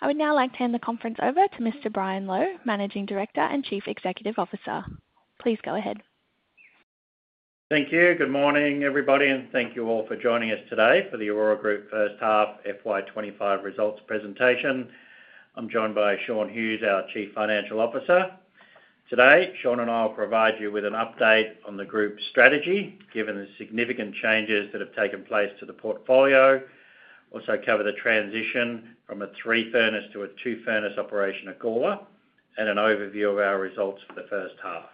I would now like to hand the conference over to Mr. Brian Lowe, Managing Director and Chief Executive Officer. Please go ahead. Thank you. Good morning, everybody, and thank you all for joining us today for the Orora Group First Half FY25 Results Presentation. I'm joined by Shaun Hughes, our Chief Financial Officer. Today, Shaun and I will provide you with an update on the group's strategy, given the significant changes that have taken place to the portfolio. We'll also cover the transition from a three-furnace to a two-furnace operation at Gawler and an overview of our results for the first half.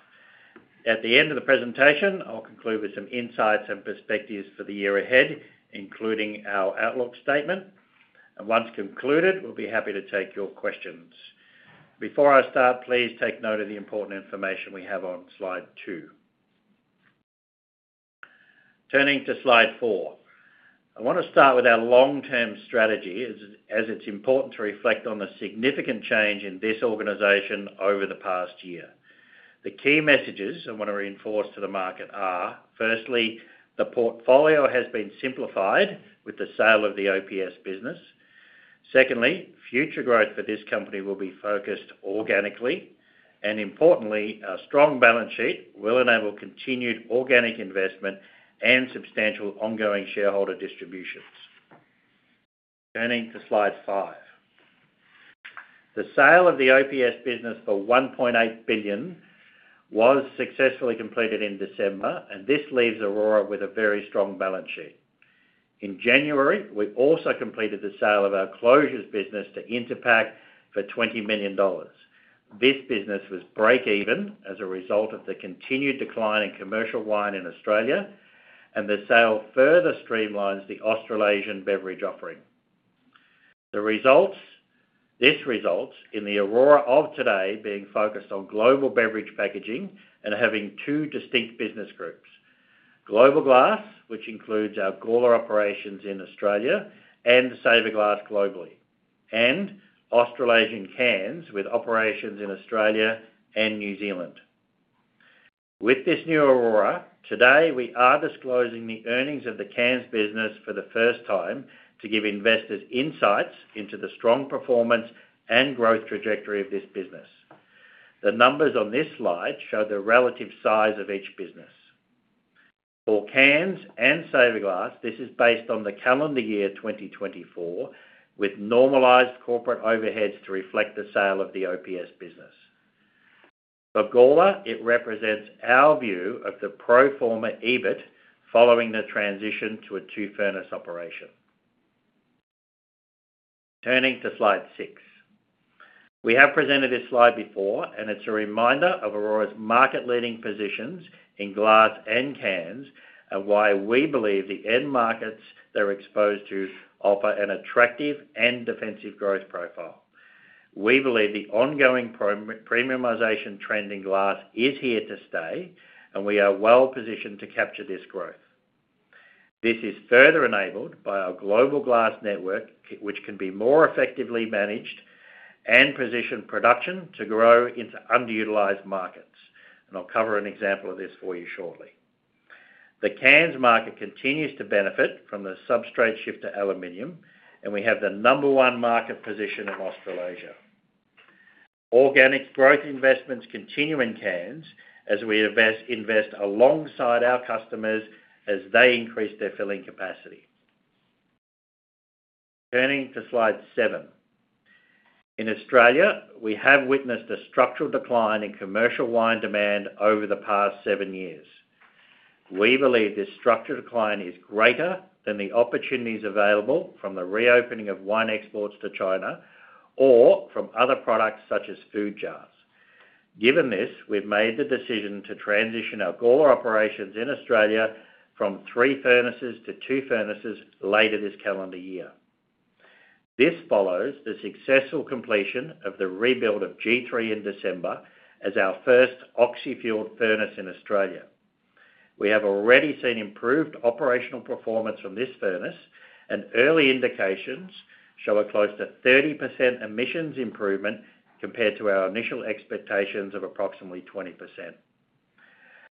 At the end of the presentation, I'll conclude with some insights and perspectives for the year ahead, including our outlook statement. And once concluded, we'll be happy to take your questions. Before I start, please take note of the important information we have on slide two. Turning to slide four, I want to start with our long-term strategy, as it's important to reflect on the significant change in this organization over the past year. The key messages I want to reinforce to the market are, firstly, the portfolio has been simplified with the sale of the OPS business. Secondly, future growth for this company will be focused organically. And importantly, our strong balance sheet will enable continued organic investment and substantial ongoing shareholder distributions. Turning to slide five, the sale of the OPS business for 1.8 billion was successfully completed in December, and this leaves Orora with a very strong balance sheet. In January, we also completed the sale of our closures business to Interpack for 20 million dollars. This business was break-even as a result of the continued decline in commercial wine in Australia, and the sale further streamlines the Australasian beverage offering. This results in the Orora of today being focused on global beverage packaging and having two distinct business groups: Global Glass, which includes our Gawler operations in Australia, and Saverglass globally, and Australasian Cans with operations in Australia and New Zealand. With this new Orora, today we are disclosing the earnings of the Cans business for the first time to give investors insights into the strong performance and growth trajectory of this business. The numbers on this slide show the relative size of each business. For Cans and Saverglass, this is based on the calendar year 2024, with normalized corporate overheads to reflect the sale of the OPS business. For Gawler, it represents our view of the pro forma EBIT following the transition to a two-furnace operation. Turning to slide six, we have presented this slide before, and it's a reminder of Orora's market-leading positions in glass and cans and why we believe the end markets they're exposed to offer an attractive and defensive growth profile. We believe the ongoing premiumization trend in glass is here to stay, and we are well-positioned to capture this growth. This is further enabled by our global glass network, which can be more effectively managed and position production to grow into underutilized markets. And I'll cover an example of this for you shortly. The cans market continues to benefit from the substrate shift to aluminum, and we have the number one market position in Australasia. Organic growth investments continue in cans as we invest alongside our customers as they increase their filling capacity. Turning to slide seven, in Australia, we have witnessed a structural decline in commercial wine demand over the past seven years. We believe this structural decline is greater than the opportunities available from the reopening of wine exports to China or from other products such as food jars. Given this, we've made the decision to transition our Gawler operations in Australia from three furnaces to two furnaces later this calendar year. This follows the successful completion of the rebuild of G3 in December as our first oxy-fuel furnace in Australia. We have already seen improved operational performance from this furnace, and early indications show a close to 30% emissions improvement compared to our initial expectations of approximately 20%.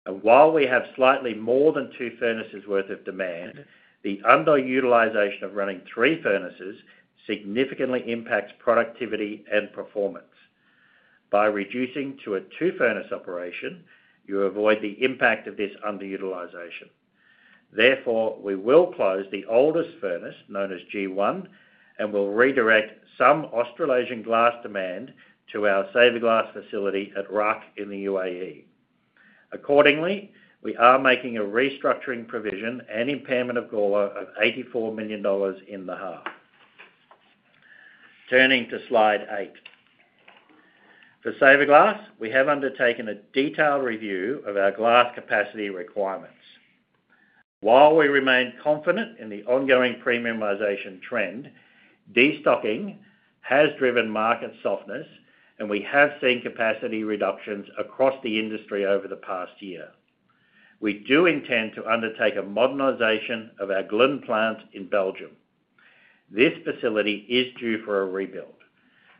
And while we have slightly more than two furnaces' worth of demand, the underutilization of running three furnaces significantly impacts productivity and performance. By reducing to a two-furnace operation, you avoid the impact of this underutilization. Therefore, we will close the oldest furnace, known as G1, and we'll redirect some Australasian glass demand to our Saverglass facility at Ruck in the UAE. Accordingly, we are making a restructuring provision and impairment of Gawler of 84 million dollars in the half. Turning to slide eight, for Saverglass, we have undertaken a detailed review of our glass capacity requirements. While we remain confident in the ongoing premiumization trend, destocking has driven market softness, and we have seen capacity reductions across the industry over the past year. We do intend to undertake a modernization of our Ghlin plant in Belgium. This facility is due for a rebuild,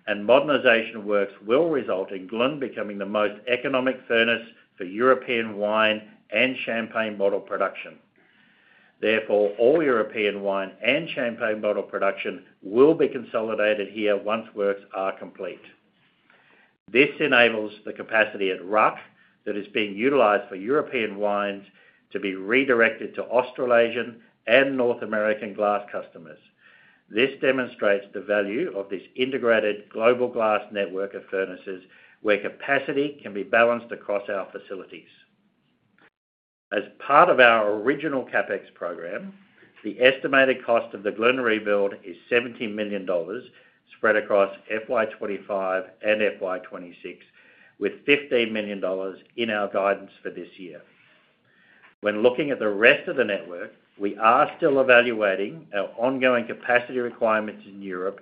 and modernization works will result in Ghlin becoming the most economic furnace for European wine and champagne bottle production. Therefore, all European wine and champagne bottle production will be consolidated here once works are complete. This enables the capacity at Ruck that is being utilized for European wines to be redirected to Australasian and North American glass customers. This demonstrates the value of this integrated global glass network of furnaces where capacity can be balanced across our facilities. As part of our original CapEx program, the estimated cost of the Ghlin rebuild is 17 million dollars spread across FY25 and FY26, with 15 million dollars in our guidance for this year. When looking at the rest of the network, we are still evaluating our ongoing capacity requirements in Europe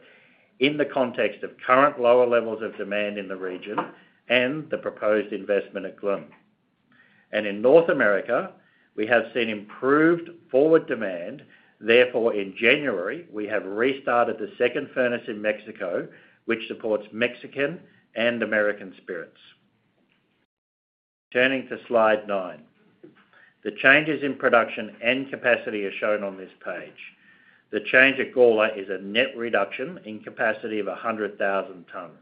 in the context of current lower levels of demand in the region and the proposed investment at Ghlin. And in North America, we have seen improved forward demand. Therefore, in January, we have restarted the second furnace in Mexico, which supports Mexican and American spirits. Turning to slide nine, the changes in production and capacity are shown on this page. The change at Gawler is a net reduction in capacity of 100,000 tons.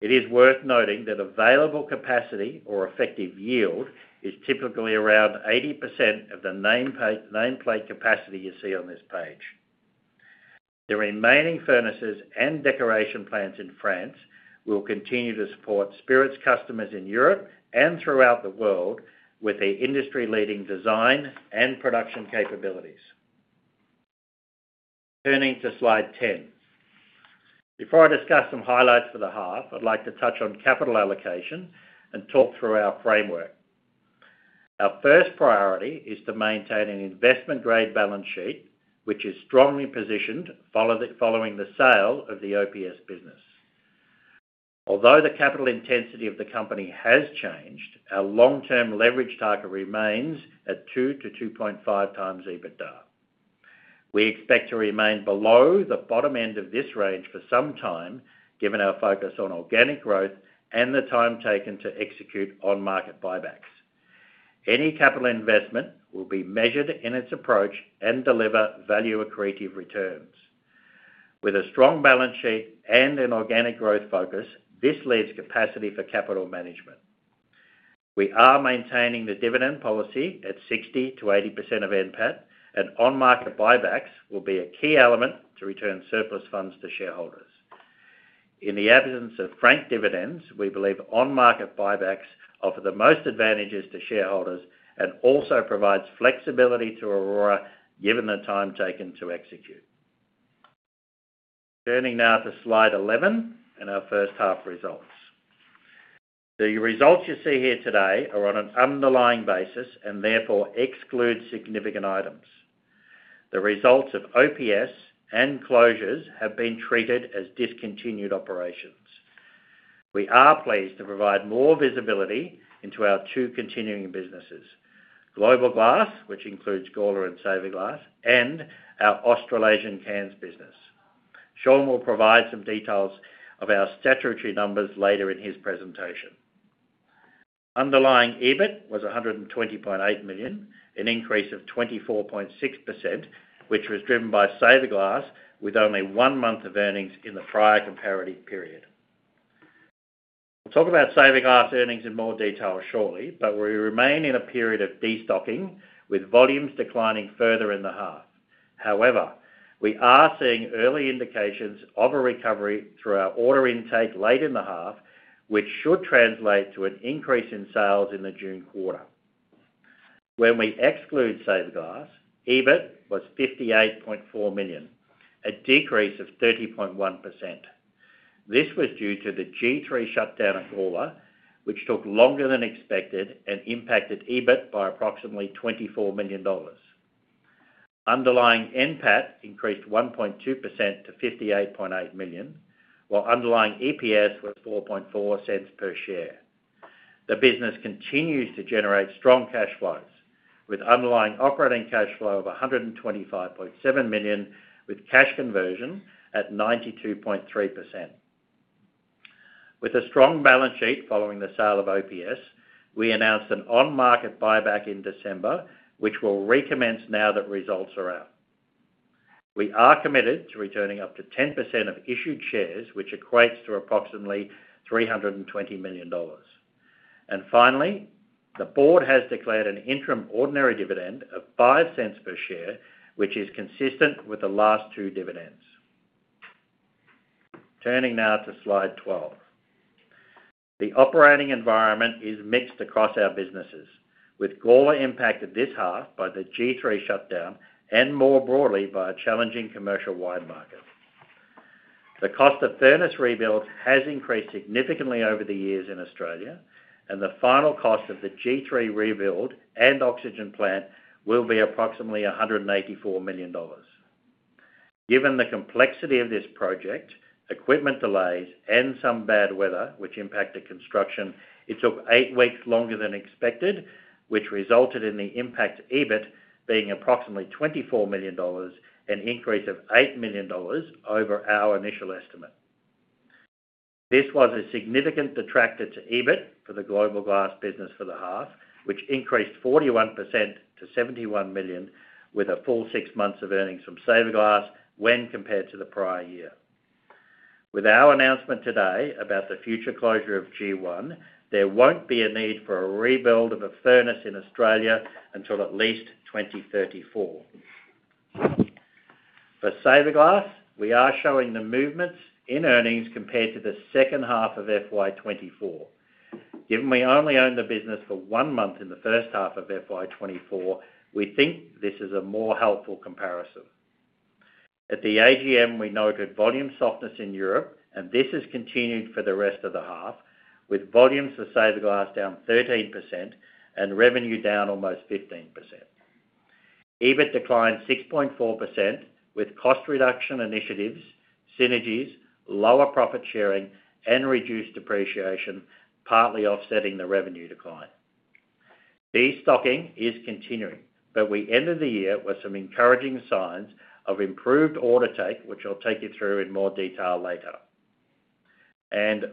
It is worth noting that available capacity or effective yield is typically around 80% of the nameplate capacity you see on this page. The remaining furnaces and decoration plants in France will continue to support spirits customers in Europe and throughout the world with the industry-leading design and production capabilities. Turning to slide ten, before I discuss some highlights for the half, I'd like to touch on capital allocation and talk through our framework. Our first priority is to maintain an investment-grade balance sheet, which is strongly positioned following the sale of the OPS business. Although the capital intensity of the company has changed, our long-term leverage target remains at 2-2.5 times EBITDA. We expect to remain below the bottom end of this range for some time, given our focus on organic growth and the time taken to execute on-market buybacks. Any capital investment will be measured in its approach and deliver value-accretive returns. With a strong balance sheet and an organic growth focus, this leads to capacity for capital management. We are maintaining the dividend policy at 60%-80% of NPAT, and on-market buybacks will be a key element to return surplus funds to shareholders. In the absence of franked dividends, we believe on-market buybacks offer the most advantages to shareholders and also provide flexibility to Orora given the time taken to execute. Turning now to slide 11 and our first half results. The results you see here today are on an underlying basis and therefore exclude significant items. The results of OPS and closures have been treated as discontinued operations. We are pleased to provide more visibility into our two continuing businesses: Global Glass, which includes Gawler and Saverglass, and our Australasian Cans business. Shaun will provide some details of our statutory numbers later in his presentation. Underlying EBIT was 120.8 million, an increase of 24.6%, which was driven by Saverglass with only one month of earnings in the prior comparative period. We'll talk about Saverglass earnings in more detail shortly, but we remain in a period of destocking with volumes declining further in the half. However, we are seeing early indications of a recovery through our order intake late in the half, which should translate to an increase in sales in the June quarter. When we exclude Saverglass, EBIT was 58.4 million, a decrease of 30.1%. This was due to the G3 shutdown at Gawler, which took longer than expected and impacted EBIT by approximately 24 million dollars. Underlying NPAT increased 1.2% to 58.8 million, while underlying EPS was 0.044 per share. The business continues to generate strong cash flows, with underlying operating cash flow of 125.7 million, with cash conversion at 92.3%. With a strong balance sheet following the sale of OPS, we announced an on-market buyback in December, which will recommence now that results are out. We are committed to returning up to 10% of issued shares, which equates to approximately 320 million dollars. And finally, the board has declared an interim ordinary dividend of 0.05 per share, which is consistent with the last two dividends. Turning now to slide 12, the operating environment is mixed across our businesses, with Gawler impacted this half by the G3 shutdown and more broadly by a challenging commercial wine market. The cost of furnace rebuilds has increased significantly over the years in Australia, and the final cost of the G3 rebuild and oxygen plant will be approximately 184 million dollars. Given the complexity of this project, equipment delays, and some bad weather, which impacted construction, it took eight weeks longer than expected, which resulted in the impact EBIT being approximately 24 million dollars, an increase of 8 million dollars over our initial estimate. This was a significant detractor to EBIT for the global glass business for the half, which increased 41% to 71 million, with a full six months of earnings from Saverglass when compared to the prior year. With our announcement today about the future closure of G1, there won't be a need for a rebuild of a furnace in Australia until at least 2034. For Saverglass, we are showing the movements in earnings compared to the second half of FY24. Given we only owned the business for one month in the first half of FY24, we think this is a more helpful comparison. At the AGM, we noted volume softness in Europe, and this has continued for the rest of the half, with volumes for Saverglass down 13% and revenue down almost 15%. EBIT declined 6.4%, with cost reduction initiatives, synergies, lower profit sharing, and reduced depreciation partly offsetting the revenue decline. Destocking is continuing, but we ended the year with some encouraging signs of improved order intake, which I'll take you through in more detail later.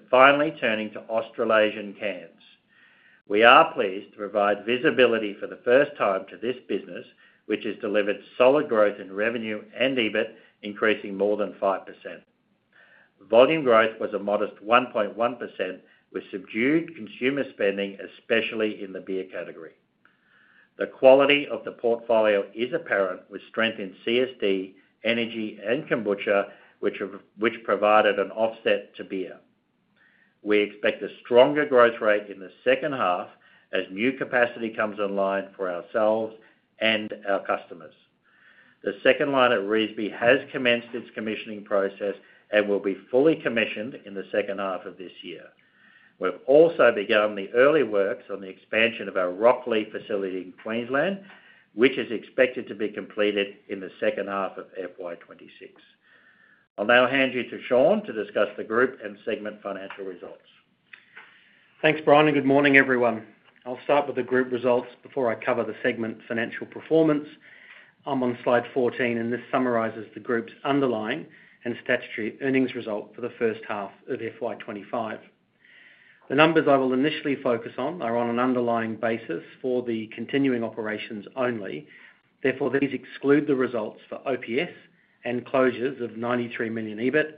Finally, turning to Australasian Cans, we are pleased to provide visibility for the first time to this business, which has delivered solid growth in revenue and EBIT, increasing more than 5%. Volume growth was a modest 1.1%, with subdued consumer spending, especially in the beer category. The quality of the portfolio is apparent, with strength in CSD, energy, and kombucha, which provided an offset to beer. We expect a stronger growth rate in the second half as new capacity comes online for ourselves and our customers. The second line at Revesby has commenced its commissioning process and will be fully commissioned in the second half of this year. We've also begun the early works on the expansion of our Rocklea facility in Queensland, which is expected to be completed in the second half of FY26.I'll now hand you to Shaun to discuss the group and segment financial results. Thanks, Brian, and good morning, everyone. I'll start with the group results before I cover the segment financial performance. I'm on slide 14, and this summarizes the group's underlying and statutory earnings result for the first half of FY25. The numbers I will initially focus on are on an underlying basis for the continuing operations only. Therefore, these exclude the results for OPS and closures of 93 million EBIT,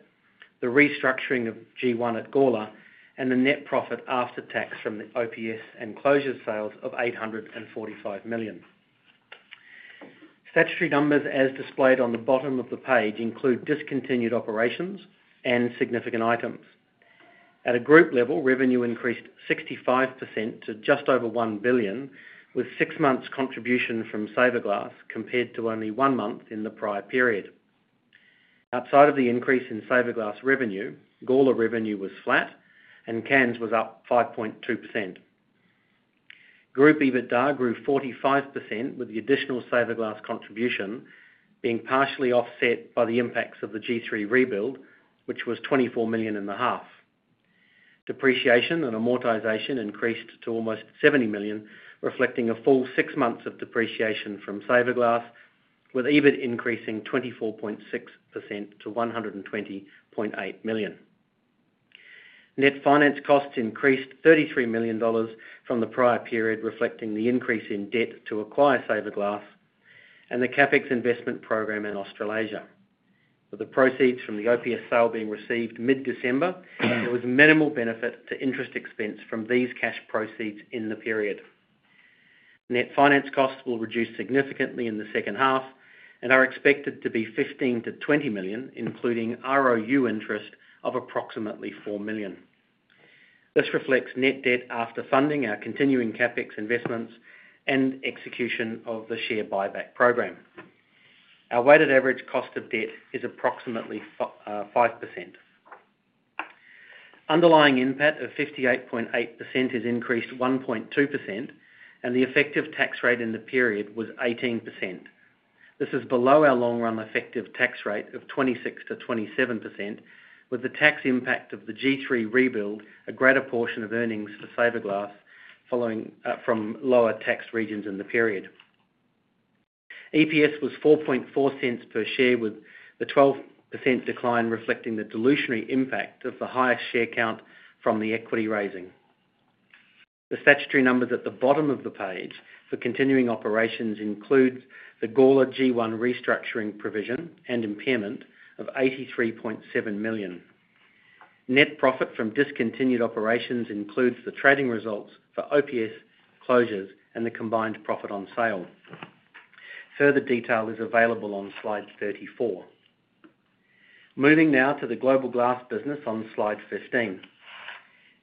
the restructuring of G1 at Gawler, and the net profit after tax from the OPS and closure sales of 845 million. Statutory numbers as displayed on the bottom of the page include discontinued operations and significant items. At a group level, revenue increased 65% to just over 1 billion, with six months' contribution from Saverglass compared to only one month in the prior period. Outside of the increase in Saverglass revenue, Gawler revenue was flat, and Cans was up 5.2%. Group EBITDA grew 45%, with the additional Saverglass contribution being partially offset by the impacts of the G3 rebuild, which was 24 million in the half. Depreciation and amortization increased to almost 70 million, reflecting a full six months of depreciation from Saverglass, with EBIT increasing 24.6% to 120.8 million. Net finance costs increased 33 million dollars from the prior period, reflecting the increase in debt to acquire Saverglass and the CapEx investment program in Australasia. With the proceeds from the OPS sale being received mid-December, there was minimal benefit to interest expense from these cash proceeds in the period. Net finance costs will reduce significantly in the second half and are expected to be 15-20 million, including ROU interest of approximately 4 million. This reflects net debt after funding our continuing CapEx investments and execution of the share buyback program. Our weighted average cost of debt is approximately 5%. Underlying NPAT of 58.8 million has increased 1.2%, and the effective tax rate in the period was 18%. This is below our long-run effective tax rate of 26%-27%, with the tax impact of the G3 rebuild a greater portion of earnings for Saverglass from lower tax regions in the period. EPS was 0.044 per share, with the 12% decline reflecting the dilutionary impact of the highest share count from the equity raising. The statutory numbers at the bottom of the page for continuing operations include the Gawler G1 restructuring provision and impairment of 83.7 million. Net profit from discontinued operations includes the trading results for the closures and the combined profit on sale. Further detail is available on slide 34.Moving now to the global glass business on slide 15.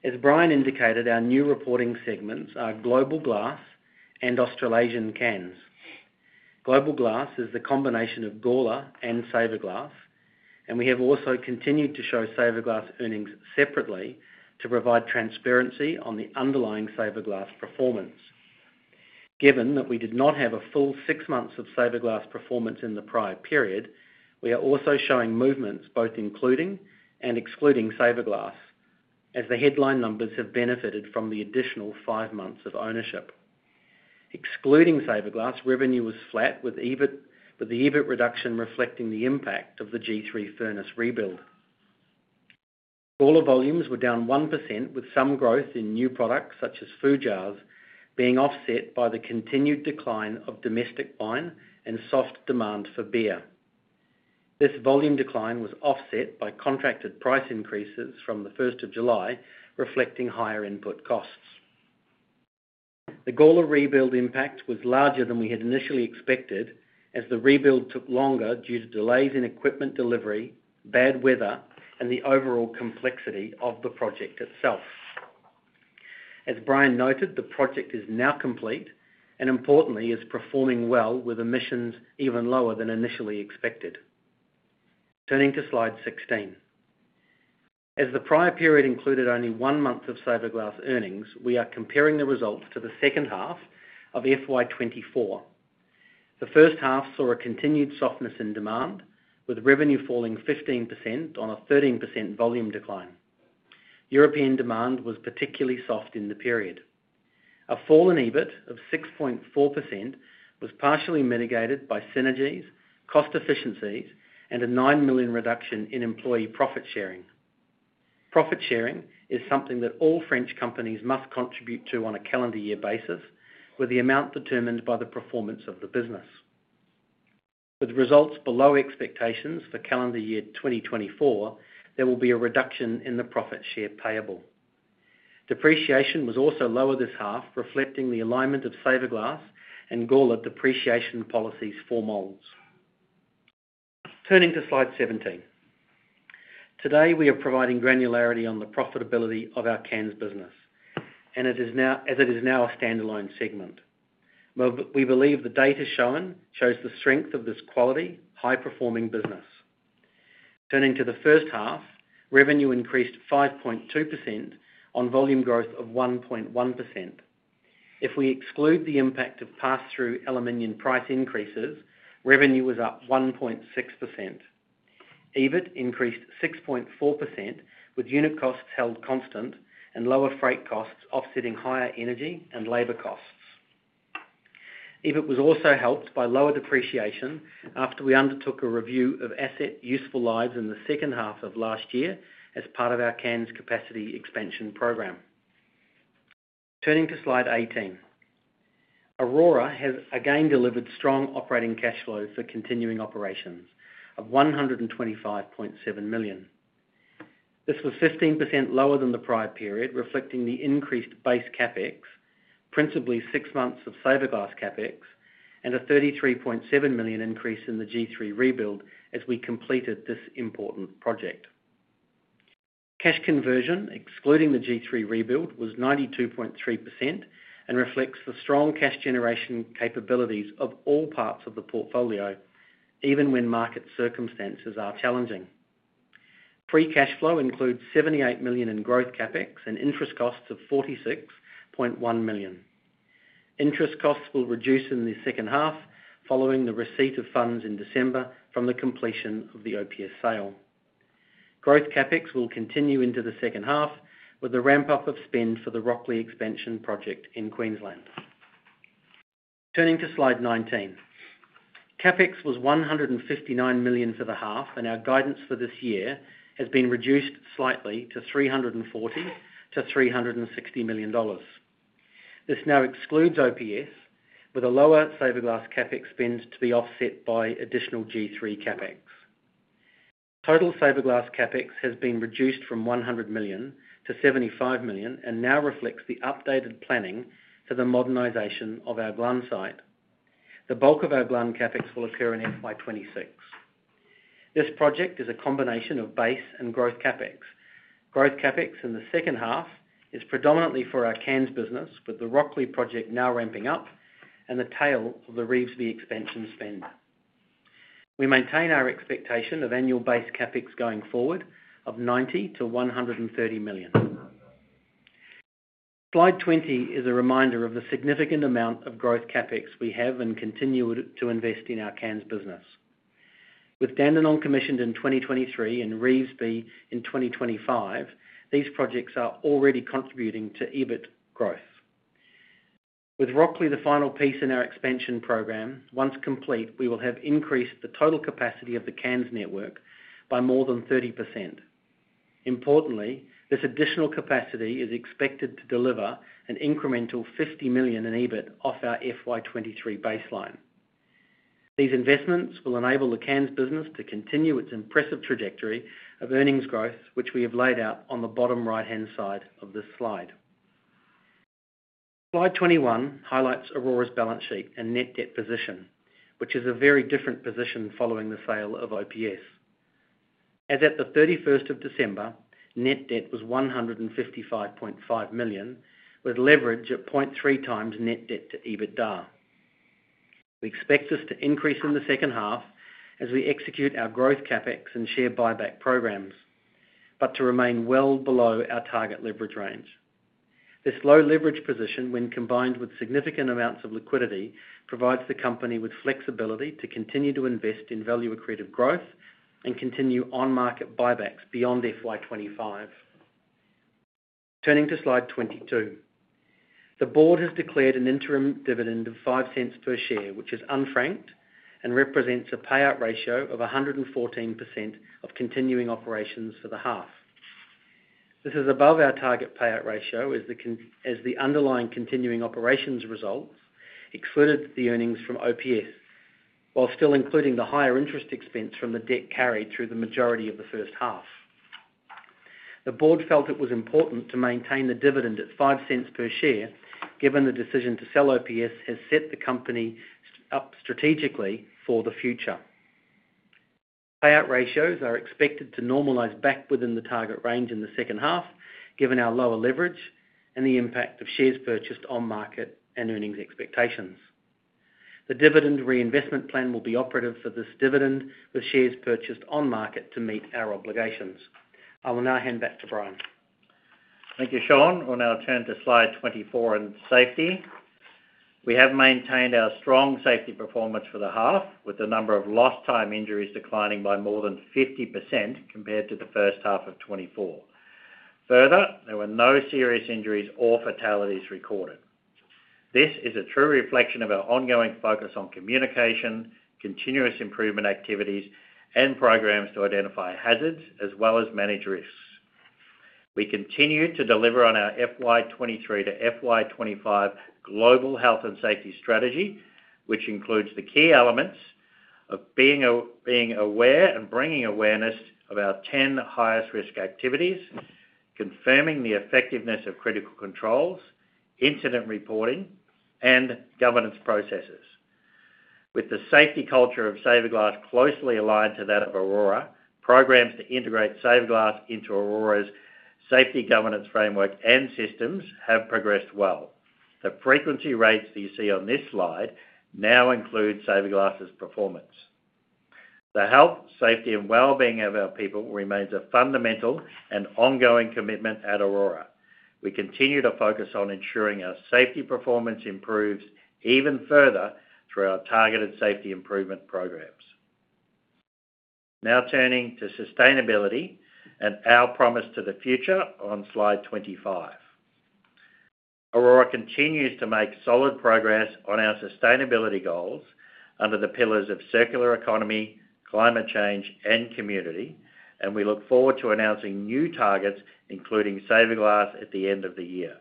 As Brian indicated, our new reporting segments are global glass and Australasian Cans. Global glass is the combination of Gawler and Saverglass, and we have also continued to show Saverglass earnings separately to provide transparency on the underlying Saverglass performance. Given that we did not have a full six months of Saverglass performance in the prior period, we are also showing movements both including and excluding Saverglass, as the headline numbers have benefited from the additional five months of ownership. Excluding Saverglass, revenue was flat, with the EBIT reduction reflecting the impact of the G3 furnace rebuild. Gawler volumes were down 1%, with some growth in new products such as food jars being offset by the continued decline of domestic wine and soft demand for beer. This volume decline was offset by contracted price increases from the 1st of July, reflecting higher input costs. The Gawler rebuild impact was larger than we had initially expected, as the rebuild took longer due to delays in equipment delivery, bad weather, and the overall complexity of the project itself. As Brian noted, the project is now complete and, importantly, is performing well, with emissions even lower than initially expected. Turning to slide 16. As the prior period included only one month of Saverglass earnings, we are comparing the results to the second half of FY24. The first half saw a continued softness in demand, with revenue falling 15% on a 13% volume decline. European demand was particularly soft in the period. A fall in EBIT of 6.4% was partially mitigated by synergies, cost efficiencies, and a 9 million reduction in employee profit sharing. Profit sharing is something that all French companies must contribute to on a calendar year basis, with the amount determined by the performance of the business. With results below expectations for calendar year 2024, there will be a reduction in the profit share payable. Depreciation was also lower this half, reflecting the alignment of Saverglass and Gawler depreciation policies for moulds. Turning to slide 17. Today, we are providing granularity on the profitability of our Cans business, as it is now a standalone segment. We believe the data shown shows the strength of this quality, high-performing business. Turning to the first half, revenue increased 5.2% on volume growth of 1.1%. If we exclude the impact of pass-through aluminum price increases, revenue was up 1.6%. EBIT increased 6.4%, with unit costs held constant and lower freight costs offsetting higher energy and labor costs. EBIT was also helped by lower depreciation after we undertook a review of asset useful lives in the second half of last year as part of our Cairns capacity expansion program. Turning to slide 18. Orora has again delivered strong operating cash flow for continuing operations of 125.7 million. This was 15% lower than the prior period, reflecting the increased Base CapEx, principally six months of Saverglass CapEx, and a 33.7 million increase in the G3 rebuild as we completed this important project. Cash conversion, excluding the G3 rebuild, was 92.3% and reflects the strong cash generation capabilities of all parts of the portfolio, even when market circumstances are challenging. Free cash flow includes 78 million in Growth CapEx and interest costs of 46.1 million. Interest costs will reduce in the second half following the receipt of funds in December from the completion of the OPS sale. Growth CapEx will continue into the second half with the ramp-up of spend for the Rocklea expansion project in Queensland. Turning to slide 19. CapEx was 159 million for the half, and our guidance for this year has been reduced slightly to 340 to 360 million. This now excludes OPS, with a lower Saverglass CapEx spend to be offset by additional G3 CapEx. Total Saverglass CapEx has been reduced from 100 to 75 million and now reflects the updated planning for the modernization of our Ghlin site. The bulk of our Ghlin CapEx will occur in FY26. This project is a combination of base and growth CapEx. Growth CapEx in the second half is predominantly for our Cans business, with the Rocklea project now ramping up and the tail of the Revesby expansion spend. We maintain our expectation of annual Base CapEx going forward of 90 to 130 million. Slide 20 is a reminder of the significant amount of Growth CapEx we have and continue to invest in our Cans business. With Dandenong commissioned in 2023 and Revesby in 2025, these projects are already contributing to EBIT growth. With Rocklea the final piece in our expansion program, once complete, we will have increased the total capacity of the Cans network by more than 30%. Importantly, this additional capacity is expected to deliver an incremental 50 million in EBIT off our FY23 baseline. These investments will enable the Cans business to continue its impressive trajectory of earnings growth, which we have laid out on the bottom right-hand side of this slide. Slide 21 highlights Orora's balance sheet and net debt position, which is a very different position following the sale of OPS. As at the 31st of December, net debt was 155.5 million, with leverage at 0.3 times net debt to EBITDA. We expect this to increase in the second half as we execute our growth CapEx and share buyback programs, but to remain well below our target leverage range. This low-leverage position, when combined with significant amounts of liquidity, provides the company with flexibility to continue to invest in value-accretive growth and continue on-market buybacks beyond FY25. Turning to slide 22. The board has declared an interim dividend of 0.05 per share, which is unfranked and represents a payout ratio of 114% of continuing operations for the half. This is above our target payout ratio as the underlying continuing operations results excluded the earnings from OPS, while still including the higher interest expense from the debt carried through the majority of the first half. The board felt it was important to maintain the dividend at 0.05 per share, given the decision to sell OPS has set the company up strategically for the future. Payout ratios are expected to normalize back within the target range in the second half, given our lower leverage and the impact of shares purchased on-market and earnings expectations. The dividend reinvestment plan will be operative for this dividend with shares purchased on-market to meet our obligations. I will now hand back to Brian. Thank you, Shaun. We'll now turn to slide 24 and safety. We have maintained our strong safety performance for the half, with the number of lost-time injuries declining by more than 50% compared to the first half of 2024. Further, there were no serious injuries or fatalities recorded. This is a true reflection of our ongoing focus on communication, continuous improvement activities, and programs to identify hazards as well as manage risks. We continue to deliver on our FY23 to FY25 global health and safety strategy, which includes the key elements of being aware and bringing awareness of our 10 highest-risk activities, confirming the effectiveness of critical controls, incident reporting, and governance processes. With the safety culture of Saverglass closely aligned to that of Orora, programs to integrate Saverglass into Orora's safety governance framework and systems have progressed well. The frequency rates that you see on this slide now include Saverglass's performance. The health, safety, and well-being of our people remains a fundamental and ongoing commitment at Orora. We continue to focus on ensuring our safety performance improves even further through our targeted safety improvement programs. Now turning to sustainability and our promise to the future on slide 25. Orora continues to make solid progress on our sustainability goals under the pillars of circular economy, climate change, and community, and we look forward to announcing new targets, including Save a Glass at the end of the year.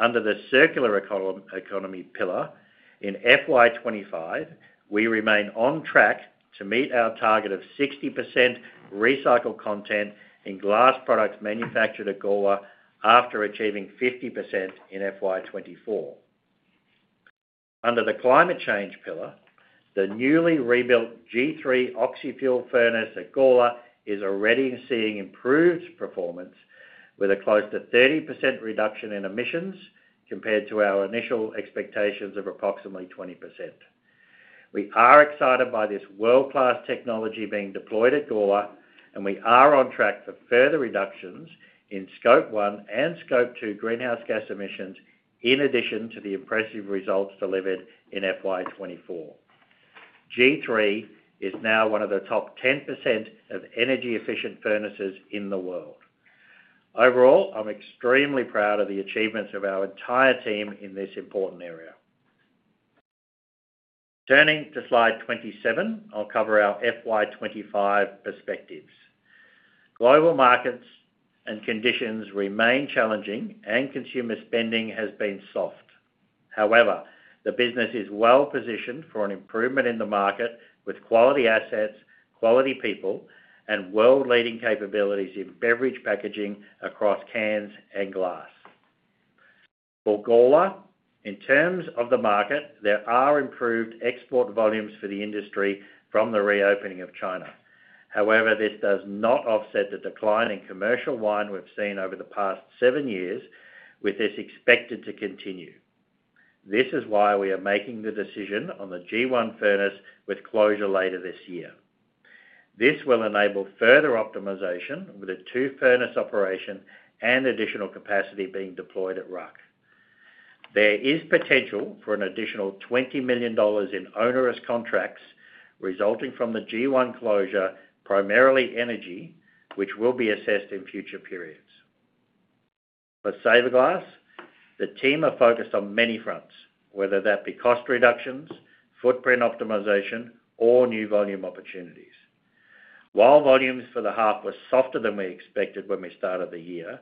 Under the circular economy pillar in FY25, we remain on track to meet our target of 60% recycled content in glass products manufactured at Gawler after achieving 50% in FY24. Under the climate change pillar, the newly rebuilt G3 oxyfuel furnace at Gawler is already seeing improved performance, with a close to 30% reduction in emissions compared to our initial expectations of approximately 20%. We are excited by this world-class technology being deployed at Gawler, and we are on track for further reductions in Scope 1 and Scope 2 greenhouse gas emissions, in addition to the impressive results delivered in FY24. G3 is now one of the top 10% of energy-efficient furnaces in the world. Overall, I'm extremely proud of the achievements of our entire team in this important area. Turning to slide 27, I'll cover our FY25 perspectives. Global markets and conditions remain challenging, and consumer spending has been soft. However, the business is well-positioned for an improvement in the market with quality assets, quality people, and world-leading capabilities in beverage packaging across cans and glass. For Gawler, in terms of the market, there are improved export volumes for the industry from the reopening of China.However, this does not offset the decline in commercial wine we've seen over the past seven years, with this expected to continue. This is why we are making the decision on the G1 furnace with closure later this year. This will enable further optimization with a two-furnace operation and additional capacity being deployed at RAK. There is potential for an additional $20 million in onerous contracts resulting from the G1 closure, primarily energy, which will be assessed in future periods. For Saverglass, the team are focused on many fronts, whether that be cost reductions, footprint optimization, or new volume opportunities. While volumes for the half were softer than we expected when we started the year,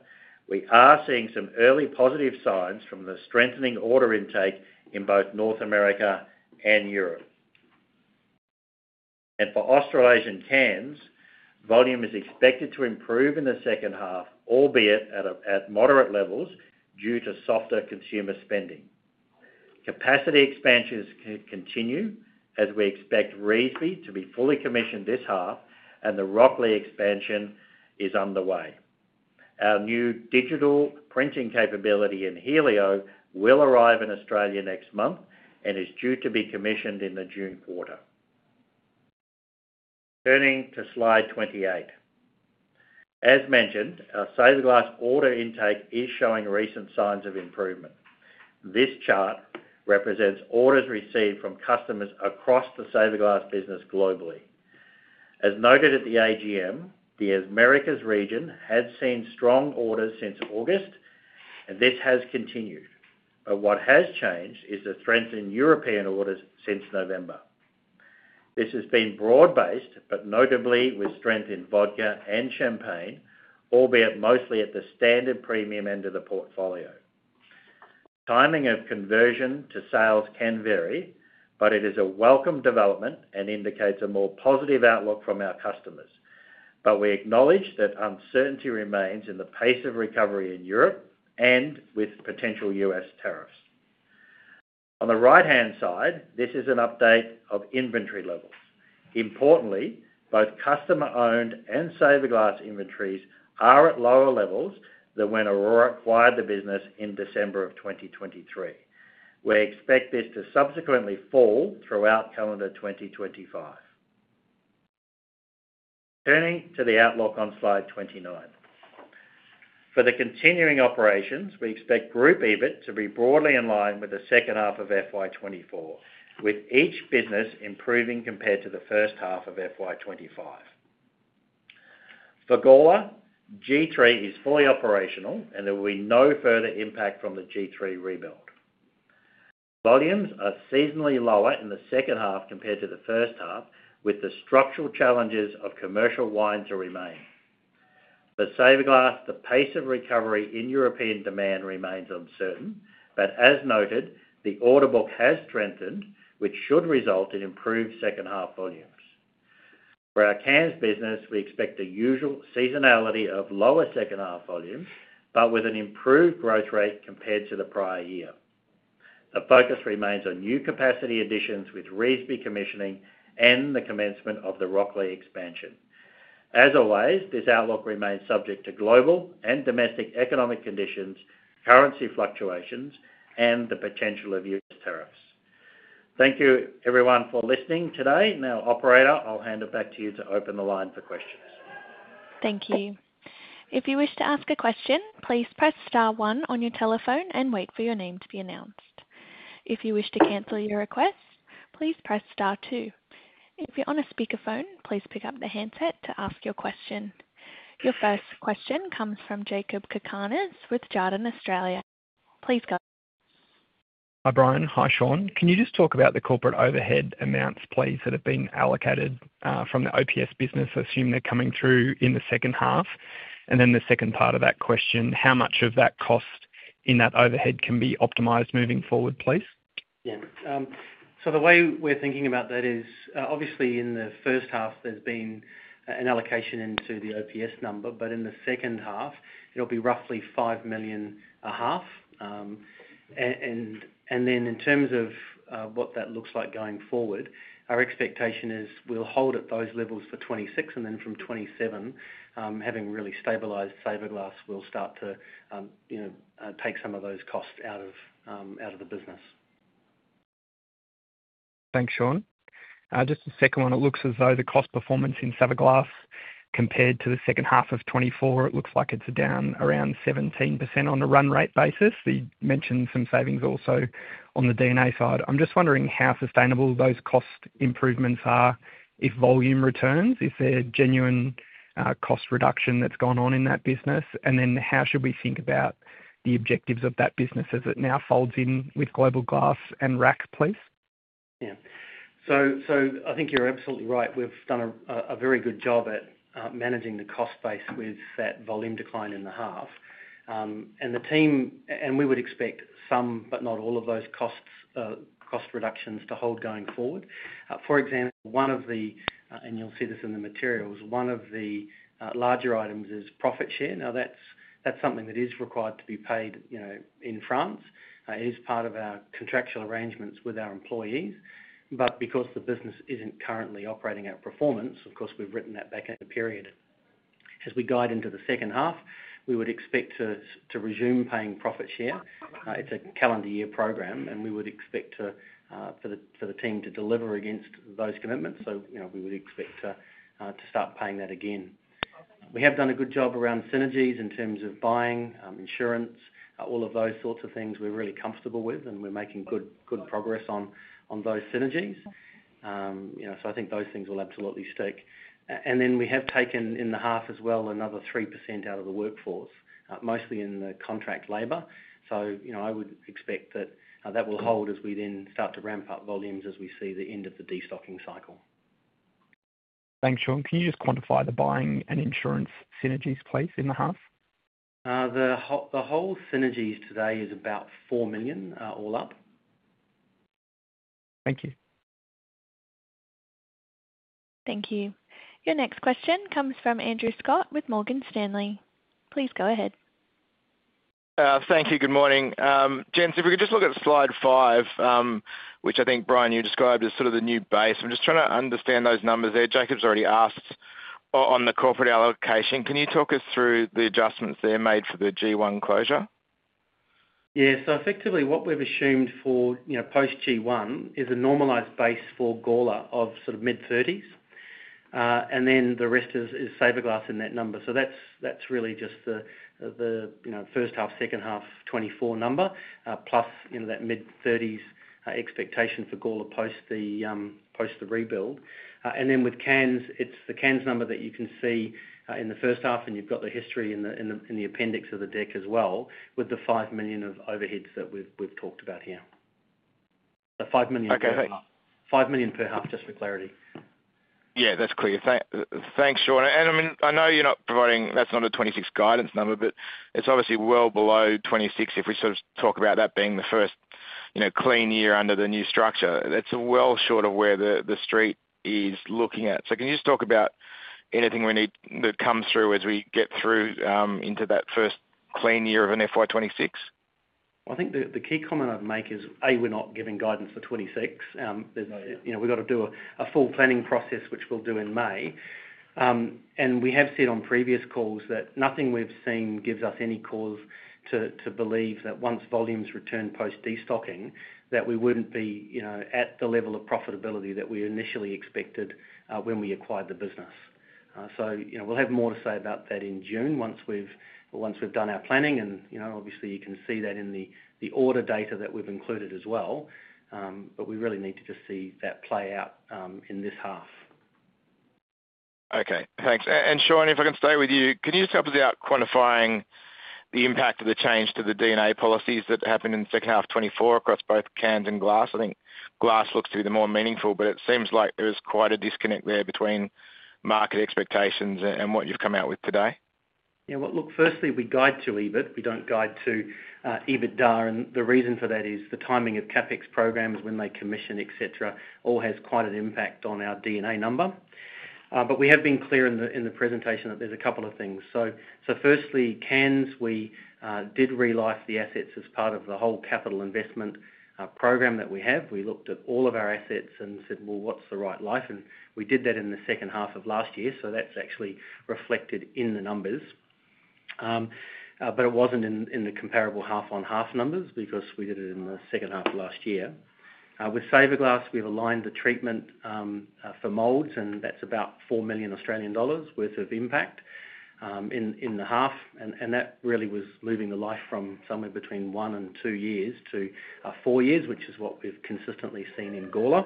we are seeing some early positive signs from the strengthening order intake in both North America and Europe. For Australasian Cans, volume is expected to improve in the second half, albeit at moderate levels due to softer consumer spending. Capacity expansions continue as we expect Revesby to be fully commissioned this half, and the Rocklea expansion is underway. Our new digital printing capability in Helio will arrive in Australia next month and is due to be commissioned in the June quarter. Turning to slide 28. As mentioned, our Saverglass order intake is showing recent signs of improvement. This chart represents orders received from customers across the Saverglass business globally. As noted at the AGM, the Americas region has seen strong orders since August, and this has continued. What has changed is the strength in European orders since November. This has been broad-based, but notably with strength in vodka and champagne, albeit mostly at the standard premium end of the portfolio. Timing of conversion to sales can vary, but it is a welcome development and indicates a more positive outlook from our customers. But we acknowledge that uncertainty remains in the pace of recovery in Europe and with potential U.S. tariffs. On the right-hand side, this is an update of inventory levels. Importantly, both customer-owned and Saverglass inventories are at lower levels than when Orora acquired the business in December of 2023. We expect this to subsequently fall throughout calendar 2025. Turning to the outlook on slide 29. For the continuing operations, we expect group EBIT to be broadly in line with the second half of FY24, with each business improving compared to the first half of FY25. For Gawler, G3 is fully operational, and there will be no further impact from the G3 rebuild. Volumes are seasonally lower in the second half compared to the first half, with the structural challenges of commercial wine to remain. For Saverglass, the pace of recovery in European demand remains uncertain, but as noted, the order book has strengthened, which should result in improved second-half volumes. For our Cans business, we expect the usual seasonality of lower second-half volumes, but with an improved growth rate compared to the prior year. The focus remains on new capacity additions with Revesby commissioning and the commencement of the Rocklea expansion. As always, this outlook remains subject to global and domestic economic conditions, currency fluctuations, and the potential of US tariffs. Thank you, everyone, for listening today. Now, Operator, I'll hand it back to you to open the line for questions. Thank you. If you wish to ask a question, please press star one on your telephone and wait for your name to be announced. If you wish to cancel your request, please press star two. If you're on a speakerphone, please pick up the handset to ask your question. Your first question comes from Jakob Cakarnis with Jarden Australia. Please go. Hi, Brian. Hi, Sean. Can you just talk about the corporate overhead amounts, please, that have been allocated from the OPS business, assuming they're coming through in the second half? And then the second part of that question, how much of that cost in that overhead can be optimized moving forward, please? Yeah. So the way we're thinking about that is, obviously, in the first half, there's been an allocation into the OPS number, but in the second half, it'll be roughly 5 million a half. And then in terms of what that looks like going forward, our expectation is we'll hold at those levels for 2026, and then from 2027, having really stabilized Saverglass, we'll start to take some of those costs out of the business. Thanks, Shaun. Just a second one. It looks as though the cost performance in Saverglass compared to the second half of 2024, it looks like it's down around 17% on a run rate basis. You mentioned some savings also on the NA side. I'm just wondering how sustainable those cost improvements are if volume returns, if there's genuine cost reduction that's gone on in that business. And then how should we think about the objectives of that business as it now folds in with global glass and RAK, please? Yeah. So I think you're absolutely right. We've done a very good job at managing the cost base with that volume decline in the half. And the team, and we would expect some, but not all of those cost reductions to hold going forward. For example, one of the, and you'll see this in the materials, one of the larger items is profit share. Now, that's something that is required to be paid in France. It is part of our contractual arrangements with our Employees. But because the business isn't currently operating at performance, of course, we've written that back at the period. As we guide into the second half, we would expect to resume paying profit share. It's a calendar year program, and we would expect for the team to deliver against those commitments. So we would expect to start paying that again. We have done a good job around synergies in terms of buying, insurance, all of those sorts of things we're really comfortable with, and we're making good progress on those synergies. So I think those things will absolutely stick. And then we have taken in the half as well another 3% out of the workforce, mostly in the contract labor. So I would expect that that will hold as we then start to ramp up volumes as we see the end of the destocking cycle. Thanks, Shaun. Can you just quantify the buying and insurance synergies, please, in the half? The whole synergies today is about 4 million all up. Thank you. Thank you. Your next question comes from Andrew Scott with Morgan Stanley. Please go ahead. Thank you. Good morning. Gents, if we could just look at slide five, which I think, Brian, you described as sort of the new base. I'm just trying to understand those numbers there. Jacob's already asked on the corporate allocation. Can you talk us through the adjustments they've made for the G1 closure? Yeah. So effectively, what we've assumed for post-G1 is a normalized base for Gawler of sort of mid-30s. And then the rest is Saverglass in that number. So that's really just the first half, second half, 2024 number, plus that mid-30s expectation for Gawler post the rebuild. And then with Cans, it's the Cans number that you can see in the first half, and you've got the history in the appendix of the deck as well with the $5 million of overheads that we've talked about here. The $5 million per half. Okay.5 million per half, just for clarity. Yeah. That's clear. Thanks, Shaun. I know you're not providing—that's not a 2026 guidance number, but it's obviously well below 2026 if we sort of talk about that being the first clean year under the new structure. That's well short of where the street is looking at. So can you just talk about anything we need that comes through as we get through into that first clean year of an FY26? I think the key comment I'd make is, A, we're not giving guidance for 2026. We've got to do a full planning process, which we'll do in May. We have said on previous calls that nothing we've seen gives us any cause to believe that once volumes return post-destocking, that we wouldn't be at the level of profitability that we initially expected when we acquired the business. So we'll have more to say about that in June once we've done our planning. And obviously, you can see that in the order data that we've included as well. But we really need to just see that play out in this half. Okay. Thanks. And Shaun, if I can stay with you, can you just help us out quantifying the impact of the change to the D&A policies that happened in the second half of 2024 across both Cans and Glass? I think Glass looks to be the more meaningful, but it seems like there is quite a disconnect there between market expectations and what you've come out with today. Yeah. Well, look, firstly, we guide to EBIT. We don't guide to EBITDA. And the reason for that is the timing of CapEx programs when they commission, etc., all has quite an impact on our D&A number. But we have been clear in the presentation that there's a couple of things. So firstly, Cans, we did re-life the assets as part of the whole capital investment program that we have. We looked at all of our assets and said, "Well, what's the right life?" And we did that in the second half of last year. So that's actually reflected in the numbers. But it wasn't in the comparable half-on-half numbers because we did it in the second half of last year. With Saverglass, we've aligned the treatment for molds, and that's about 4 million Australian dollars worth of impact in the half. And that really was moving the life from somewhere between one and two years to four years, which is what we've consistently seen in Gawler.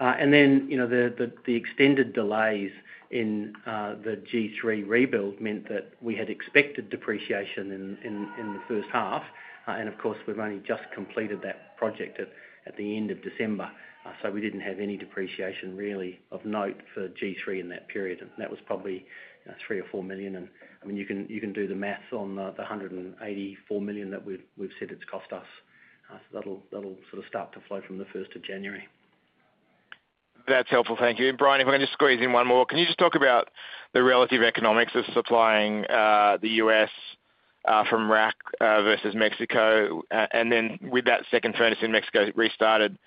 And then the extended delays in the G3 rebuild meant that we had expected depreciation in the first half. Of course, we've only just completed that project at the end of December. So we didn't have any depreciation really of note for G3 in that period. And that was probably three or four million. And I mean, you can do the math on the 184 million that we've said it's cost us. So that'll sort of start to flow from the 1st of January. That's helpful. Thank you. And Brian, if we can just squeeze in one more, can you just talk about the relative economics of supplying the U.S. from RAK versus Mexico? And then with that second furnace in Mexico restarted,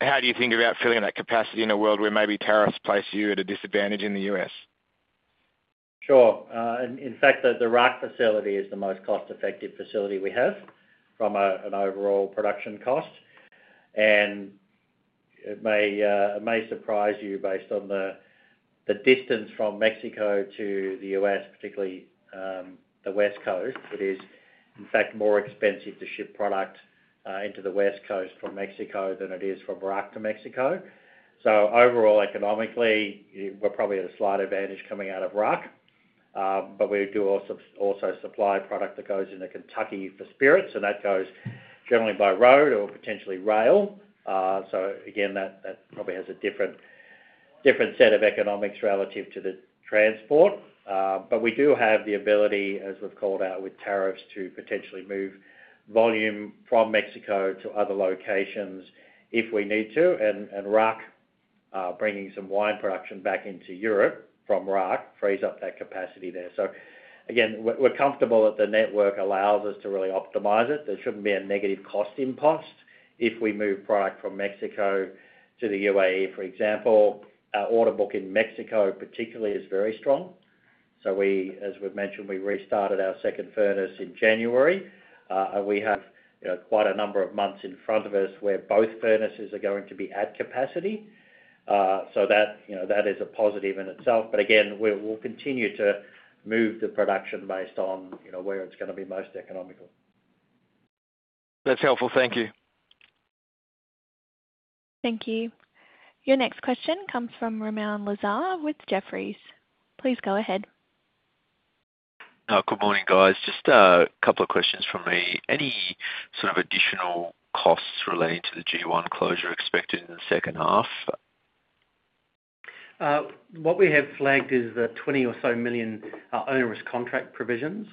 how do you think about filling that capacity in a world where maybe tariffs place you at a disadvantage in the U.S.? Sure. In fact, the RAK facility is the most cost-effective facility we have from an overall production cost. And it may surprise you based on the distance from Mexico to the U.S., particularly the West Coast. It is, in fact, more expensive to ship product into the West Coast from Mexico than it is from RAK to Mexico. So overall, economically, we're probably at a slight advantage coming out of RAK. But we do also supply product that goes into Kentucky for spirits. And that goes generally by road or potentially rail. So again, that probably has a different set of economics relative to the transport. But we do have the ability, as we've called out with tariffs, to potentially move volume from Mexico to other locations if we need to. And RAK, bringing some wine production back into Europe from RAK, frees up that capacity there. So again, we're comfortable that the network allows us to really optimize it. There shouldn't be a negative cost impost if we move product from Mexico to the UAE, for example. Order book in Mexico, particularly, is very strong. So as we've mentioned, we restarted our second furnace in January. We have quite a number of months in front of us where both furnaces are going to be at capacity. So that is a positive in itself. But again, we'll continue to move the production based on where it's going to be most economical. That's helpful. Thank you. Thank you. Your next question comes from Ramoun Lazar with Jefferies. Please go ahead. Good morning, guys. Just a couple of questions from me. Any sort of additional costs relating to the G1 closure expected in the second half? What we have flagged is the 20 million or so onerous contract provisions.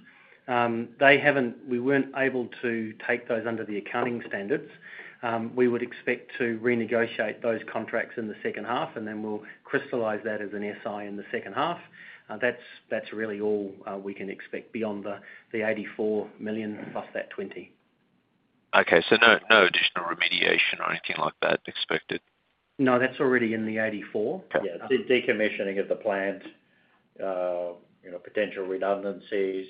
We weren't able to take those under the accounting standards. We would expect to renegotiate those contracts in the second half, and then we'll crystallize that as an SI in the second half. That's really all we can expect beyond the 84 million plus that 20. Okay. So no additional remediation or anything like that expected? No, that's already in the 84. Yeah. Decommissioning of the plant, potential redundancies,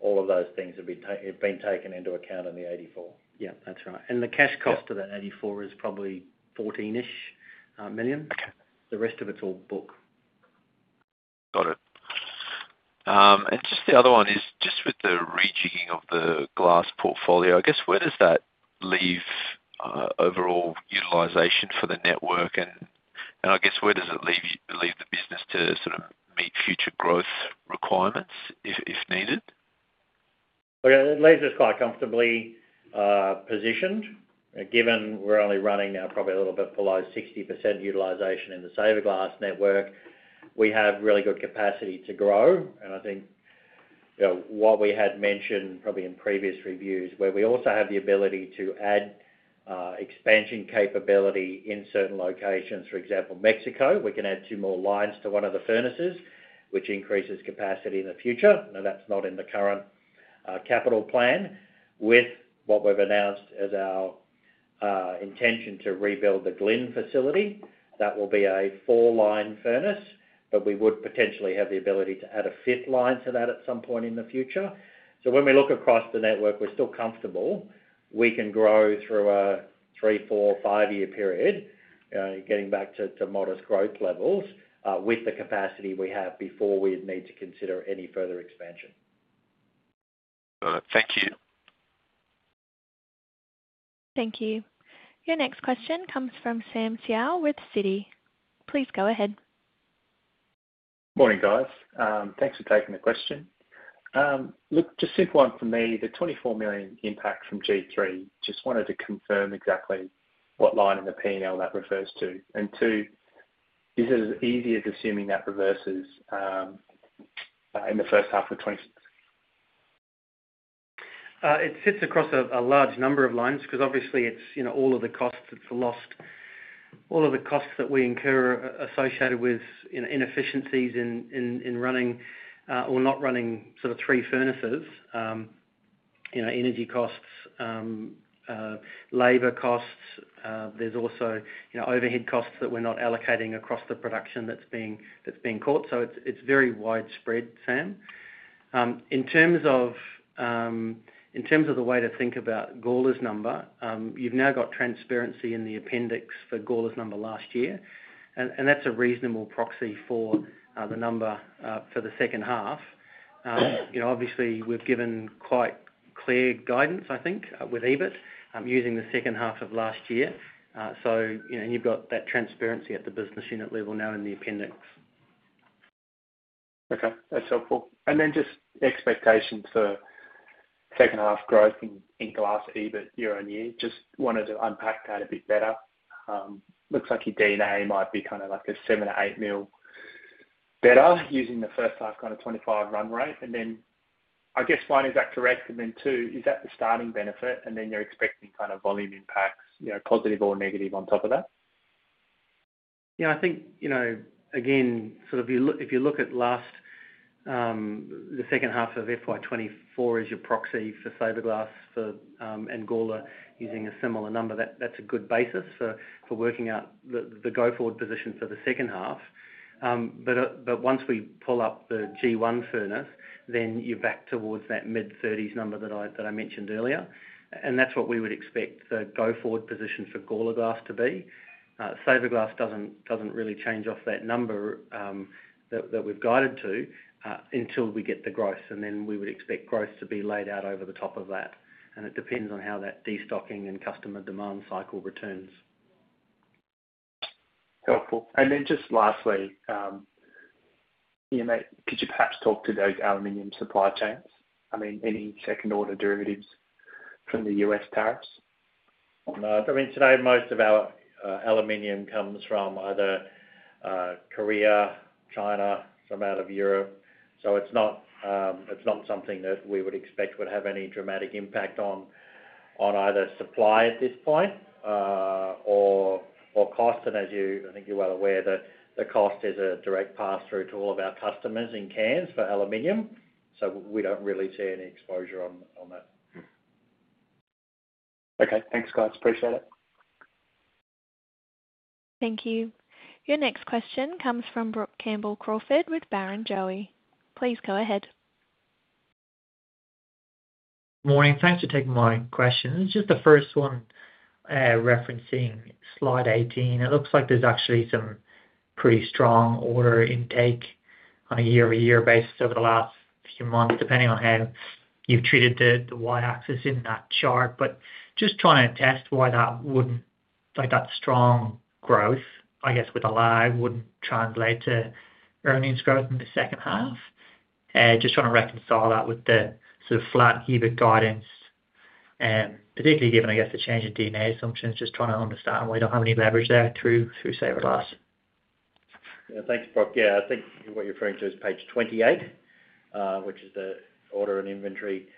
all of those things have been taken into account in the 84. Yeah. That's right. And the cash cost of that 84 is probably 14 million. The rest of it's all book. Got it. And just the other one is just with the rejigging of the glass portfolio, I guess, where does that leave overall utilization for the network? And I guess, where does it leave the business to sort of meet future growth requirements if needed? Okay. It leaves us quite comfortably positioned. Given we're only running now probably a little bit below 60% utilization in the Saverglass network, we have really good capacity to grow. And I think what we had mentioned probably in previous reviews where we also have the ability to add expansion capability in certain locations, for example, Mexico. We can add two more lines to one of the furnaces, which increases capacity in the future. Now, that's not in the current capital plan. With what we've announced as our intention to rebuild the Ghlin facility, that will be a four-line furnace. But we would potentially have the ability to add a fifth line to that at some point in the future. So when we look across the network, we're still comfortable. We can grow through a three, four, five-year period, getting back to modest growth levels with the capacity we have before we need to consider any further expansion. All right. Thank you. Thank you. Your next question comes from Sam Teeger with Citi. Please go ahead. Morning, guys. Thanks for taking the question. Look, just simple one for me. The $24 million impact from G3, just wanted to confirm exactly what line in the P&L that refers to. And two, is it as easy as assuming that reverses in the first half of 2026? It sits across a large number of lines because obviously, it's all of the costs that's lost, all of the costs that we incur associated with inefficiencies in running or not running sort of three furnaces, energy costs, labour costs. There's also overhead costs that we're not allocating across the production that's being caught. So it's very widespread, Sam. In terms of the way to think about Gawler's number, you've now got transparency in the appendix for Gawler's number last year. And that's a reasonable proxy for the number for the second half. Obviously, we've given quite clear guidance, I think, with EBIT using the second half of last year. So you've got that transparency at the business unit level now in the appendix. Okay. That's helpful. And then just expectations for second half growth in glass EBIT year on year. Just wanted to unpack that a bit better. Looks like your D&A might be kind of like a seven or eight mil better using the first half kind of 25 run rate. And then I guess, one, is that correct? And then two, is that the starting benefit? And then you're expecting kind of volume impacts, positive or negative on top of that? Yeah. I think, again, sort of if you look at the second half of FY24 as your proxy for Saverglass and Gawler using a similar number, that's a good basis for working out the go-forward position for the second half. But once we pull up the G1 furnace, then you're back towards that mid-30s number that I mentioned earlier. And that's what we would expect the go-forward position for Gawler Glass to be. Saverglass doesn't really change off that number that we've guided to until we get the growth. And then we would expect growth to be laid out over the top of that. And it depends on how that destocking and customer demand cycle returns. Helpful. And then just lastly, could you perhaps talk to those aluminum supply chains? I mean, any second-order derivatives from the US tariffs? No. I mean, today, most of our aluminum comes from either Korea, China, some out of Europe. So it's not something that we would expect would have any dramatic impact on either supply at this point or cost. And as you, I think you're well aware, the cost is a direct pass-through to all of our customers in cans for aluminum. So we don't really see any exposure on that. Okay. Thanks, guys. Appreciate it. Thank you. Your next question comes from Brook Campbell-Crawford with Barrenjoey. Please go ahead. Morning. Thanks for taking my question. Just the first one referencing slide 18, it looks like there's actually some pretty strong order intake on a year-over-year basis over the last few months, depending on how you've treated the Y-axis in that chart. But just trying to attest why that strong growth, I guess, with a lag wouldn't translate to earnings growth in the second half. Just trying to reconcile that with the sort of flat EBIT guidance, particularly given, I guess, the change in D&A assumptions, just trying to understand why you don't have any leverage there through Saverglass. Yeah. Thanks, Brook. Yeah. I think what you're referring to is page 28, which is the order and inventory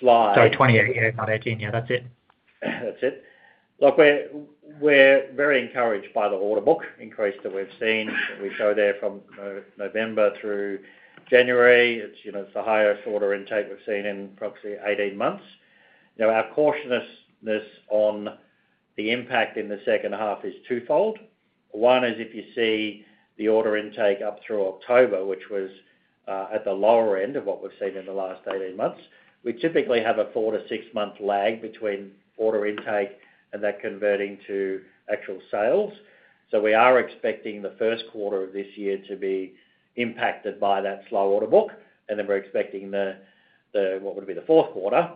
slide. Sorry, 28. Yeah. Not 18. Yeah.That's it. That's it. Look, we're very encouraged by the order book increase that we've seen. We show there from November through January. It's the highest order intake we've seen in approximately 18 months. Our cautiousness on the impact in the second half is twofold. One is if you see the order intake up through October, which was at the lower end of what we've seen in the last 18 months, we typically have a four- to six-month lag between order intake and that converting to actual sales. So we are expecting the first quarter of this year to be impacted by that slow order book. And then we're expecting the, what would be the fourth quarter,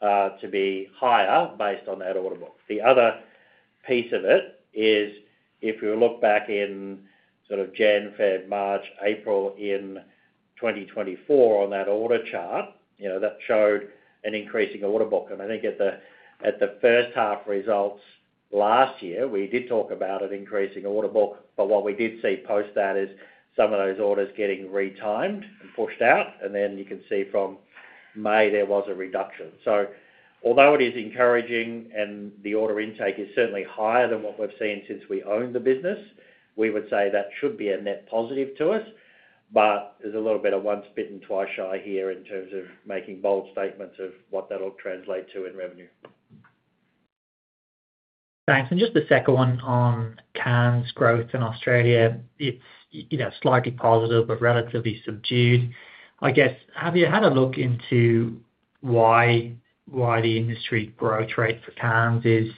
to be higher based on that order book. The other piece of it is if you look back in sort of January, February, March, April in 2024 on that order chart, that showed an increasing order book. And I think at the first half results last year, we did talk about an increasing order book. But what we did see post that is some of those orders getting retimed and pushed out. And then you can see from May, there was a reduction. So although it is encouraging and the order intake is certainly higher than what we've seen since we owned the business, we would say that should be a net positive to us. But there's a little bit of once-bitten-and-twice-shy here in terms of making bold statements of what that'll translate to in revenue. Thanks. And just the second one on cans growth in Australia, it's slightly positive but relatively subdued. I guess, have you had a look into why the industry growth rate for cans is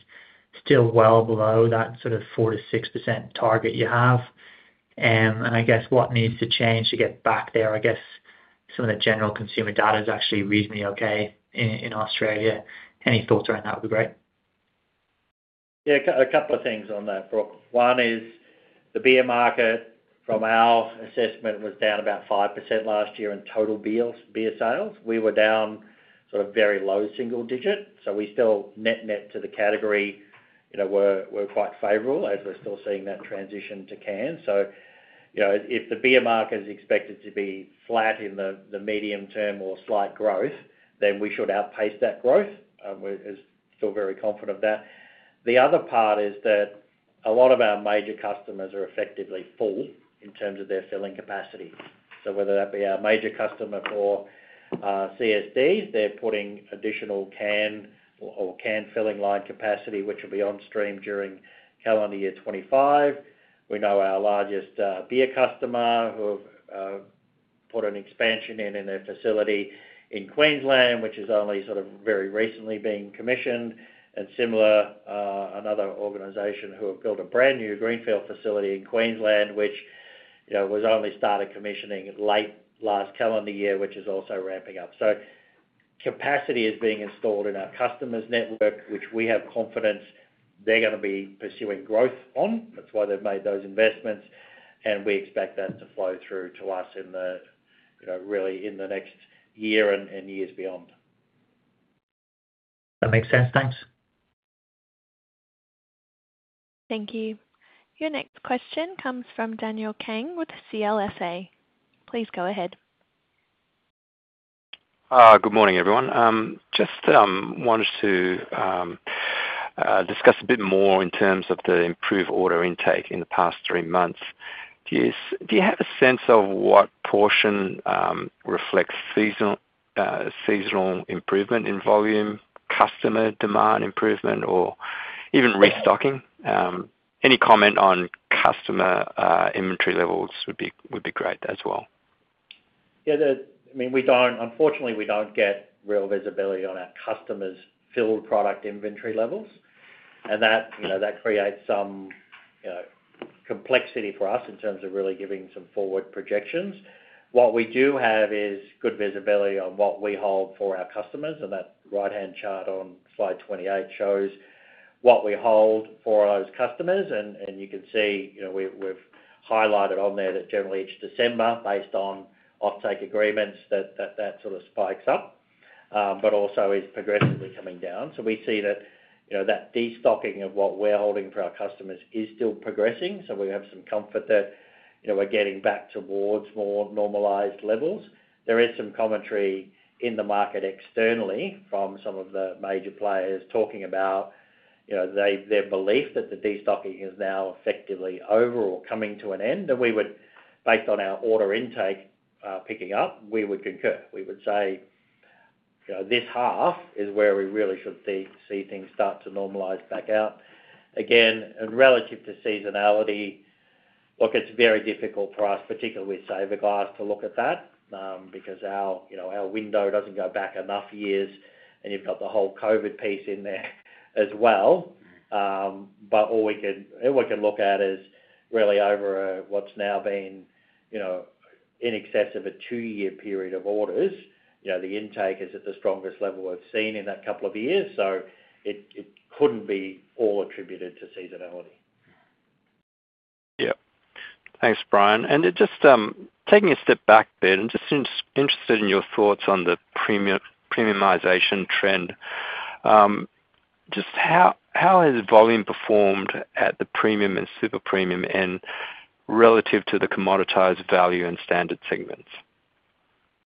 still well below that sort of 4%-6% target you have? And I guess, what needs to change to get back there? I guess some of the general consumer data is actually reasonably okay in Australia. Any thoughts around that would be great. Yeah. A couple of things on that, Brook.One is the beer market, from our assessment, was down about 5% last year in total beer sales. We were down sort of very low single digit. So we're still net-net to the category, we're quite favorable as we're still seeing that transition to cans. So if the beer market is expected to be flat in the medium term or slight growth, then we should outpace that growth. We're still very confident of that. The other part is that a lot of our major customers are effectively full in terms of their filling capacity. So whether that be our major customer for CSDs, they're putting additional can or can filling line capacity, which will be on stream during calendar year 2025. We know our largest beer customer who have put an expansion in their facility in Queensland, which is only sort of very recently being commissioned. And similar, another organization who have built a brand new greenfield facility in Queensland, which was only started commissioning late last calendar year, which is also ramping up. So capacity is being installed in our customers' network, which we have confidence they're going to be pursuing growth on. That's why they've made those investments. And we expect that to flow through to us really in the next year and years beyond. That makes sense. Thanks. Thank you. Your next question comes from Daniel Franklin with CLSA. Please go ahead. Good morning, everyone. Just wanted to discuss a bit more in terms of the improved order intake in the past three months. Do you have a sense of what portion reflects seasonal improvement in volume, customer demand improvement, or even restocking? Any comment on customer inventory levels would be great as well. Yeah.I mean, unfortunately, we don't get real visibility on our customers' filled product inventory levels. And that creates some complexity for us in terms of really giving some forward projections. What we do have is good visibility on what we hold for our customers. And that right-hand chart on slide 28 shows what we hold for those customers. And you can see we've highlighted on there that generally each December, based on offtake agreements, that sort of spikes up, but also is progressively coming down. So we see that that destocking of what we're holding for our customers is still progressing. So we have some comfort that we're getting back towards more normalized levels. There is some commentary in the market externally from some of the major players talking about their belief that the destocking is now effectively over or coming to an end. And based on our order intake picking up, we would concur. We would say this half is where we really should see things start to normalize back out. Again, relative to seasonality, look, it's very difficult for us, particularly with Saverglass, to look at that because our window doesn't go back enough years. And you've got the whole COVID piece in there as well. But all we can look at is really over what's now been in excess of a two-year period of orders. The intake is at the strongest level we've seen in that couple of years. So it couldn't be all attributed to seasonality. Yep. Thanks, Brian. And just taking a step back then, just interested in your thoughts on the premiumization trend. Just how has volume performed at the premium and super premium end relative to the commoditized value and standard segments?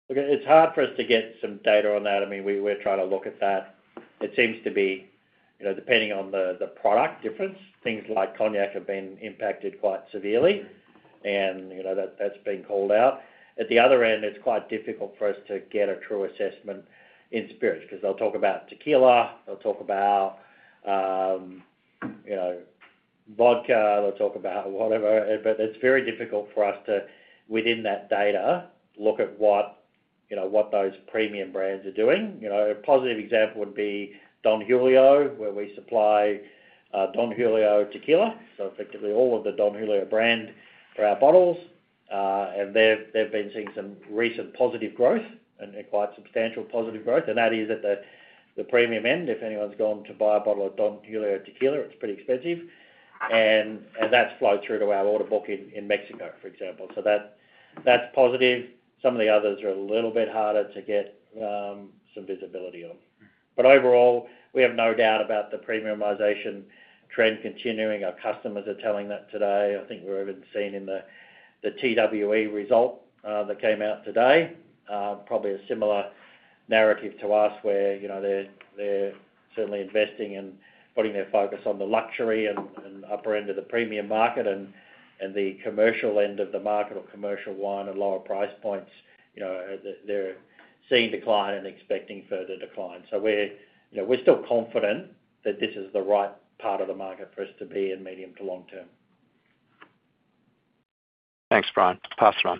Okay.It's hard for us to get some data on that. I mean, we're trying to look at that. It seems to be, depending on the product difference, things like cognac have been impacted quite severely. And that's been called out. At the other end, it's quite difficult for us to get a true assessment in spirits because they'll talk about Tequila. They'll talk about Vodka. They'll talk about whatever. But it's very difficult for us to, within that data, look at what those premium brands are doing. A positive example would be Don Julio, where we supply Don Julio Tequila. So effectively, all of the Don Julio brand for our bottles. And they've been seeing some recent positive growth and quite substantial positive growth. And that is at the premium end. If anyone's gone to buy a bottle of Don Julio Tequila, it's pretty expensive. And that's flowed through to our order book in Mexico, for example. So that's positive. Some of the others are a little bit harder to get some visibility on. But overall, we have no doubt about the premiumization trend continuing. Our customers are telling that today. I think we've even seen in the TWE result that came out today, probably a similar narrative to us, where they're certainly investing and putting their focus on the luxury and upper end of the premium market and the commercial end of the market or commercial wine at lower price points. They're seeing decline and expecting further decline. So we're still confident that this is the right part of the market for us to be in medium to long term. Thanks, Brian. Pass it on.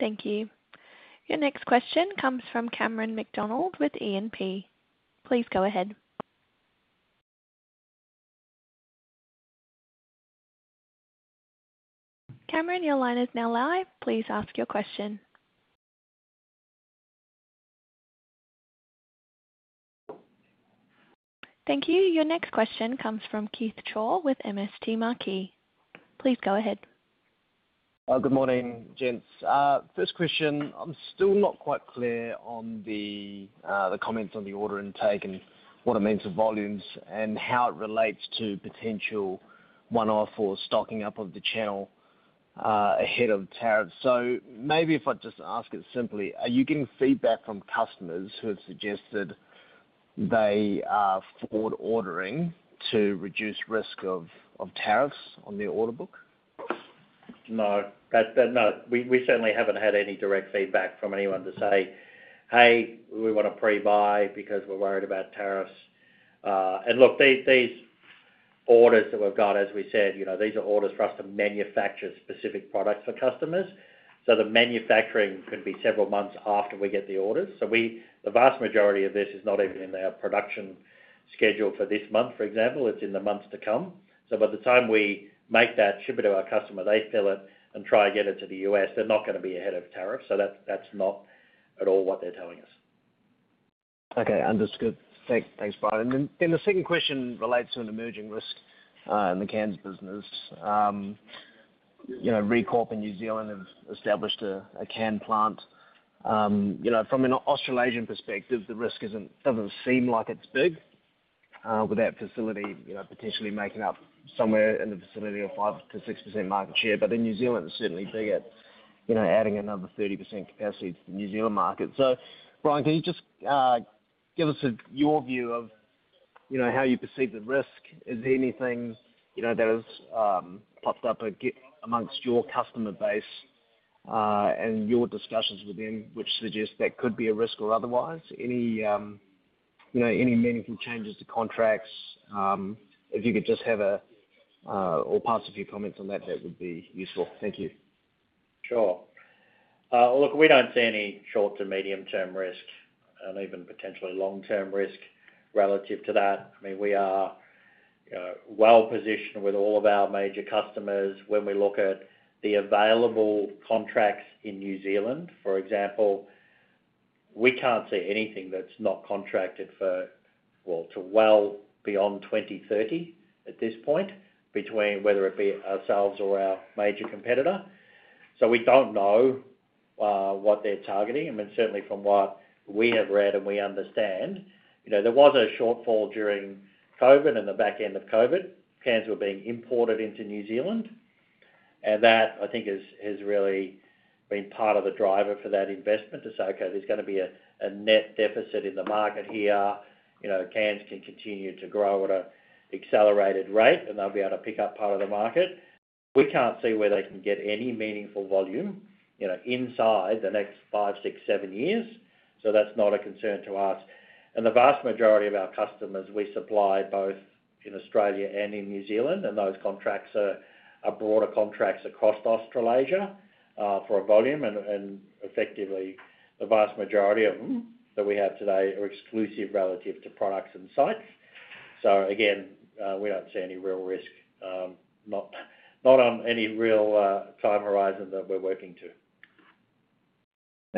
Thank you. Your next question comes from Cameron McDonald with E&P. Please go ahead. Cameron, your line is now live. Please ask your question. Thank you. Your next question comes from Keith Chau with MST Marquee. Please go ahead. Good morning, Gents. First question. I'm still not quite clear on the comments on the order intake and what it means for volumes and how it relates to potential one-off or stocking up of the channel ahead of tariffs. So maybe if I just ask it simply, are you getting feedback from customers who have suggested they are forward ordering to reduce risk of tariffs on the order book? No. We certainly haven't had any direct feedback from anyone to say, "Hey, we want to pre-buy because we're worried about tariffs." And look, these orders that we've got, as we said, these are orders for us to manufacture specific products for customers. So the manufacturing could be several months after we get the orders. So the vast majority of this is not even in their production schedule for this month, for example. It's in the months to come. So by the time we make that ship it to our customer, they fill it and try and get it to the U.S., they're not going to be ahead of tariffs. So that's not at all what they're telling us. Okay. Understood. Thanks, Brian. And then the second question relates to an emerging risk in the Cans business. Recorp in New Zealand have established a Can plant. From an Australasian perspective, the risk doesn't seem like it's big with that facility potentially making up somewhere in the vicinity of 5%-6% market share. But in New Zealand, it's certainly big at adding another 30% capacity to the New Zealand market. So, Brian, can you just give us your view of how you perceive the risk? Is there anything that has popped up amongst your customer base and your discussions with them, which suggests that could be a risk or otherwise? Any meaningful changes to contracts? If you could just or pass a few comments on that, that would be useful. Thank you. Sure. Look, we don't see any short to medium-term risk and even potentially long-term risk relative to that. I mean, we are well-positioned with all of our major customers. When we look at the available contracts in New Zealand, for example, we can't see anything that's not contracted for, well, to well beyond 2030 at this point, between whether it be ourselves or our major competitor. So we don't know what they're targeting. I mean, certainly from what we have read and we understand, there was a shortfall during COVID and the back end of COVID. Cans were being imported into New Zealand. And that, I think, has really been part of the driver for that investment to say, "Okay, there's going to be a net deficit in the market here. Cans can continue to grow at an accelerated rate, and they'll be able to pick up part of the market." We can't see where they can get any meaningful volume inside the next five, six, seven years. So that's not a concern to us. And the vast majority of our customers, we supply both in Australia and in New Zealand. And those contracts are broader contracts across Australasia for volume. And effectively, the vast majority of them that we have today are exclusive relative to products and sites. So again, we don't see any real risk, not on any real time horizon that we're working to.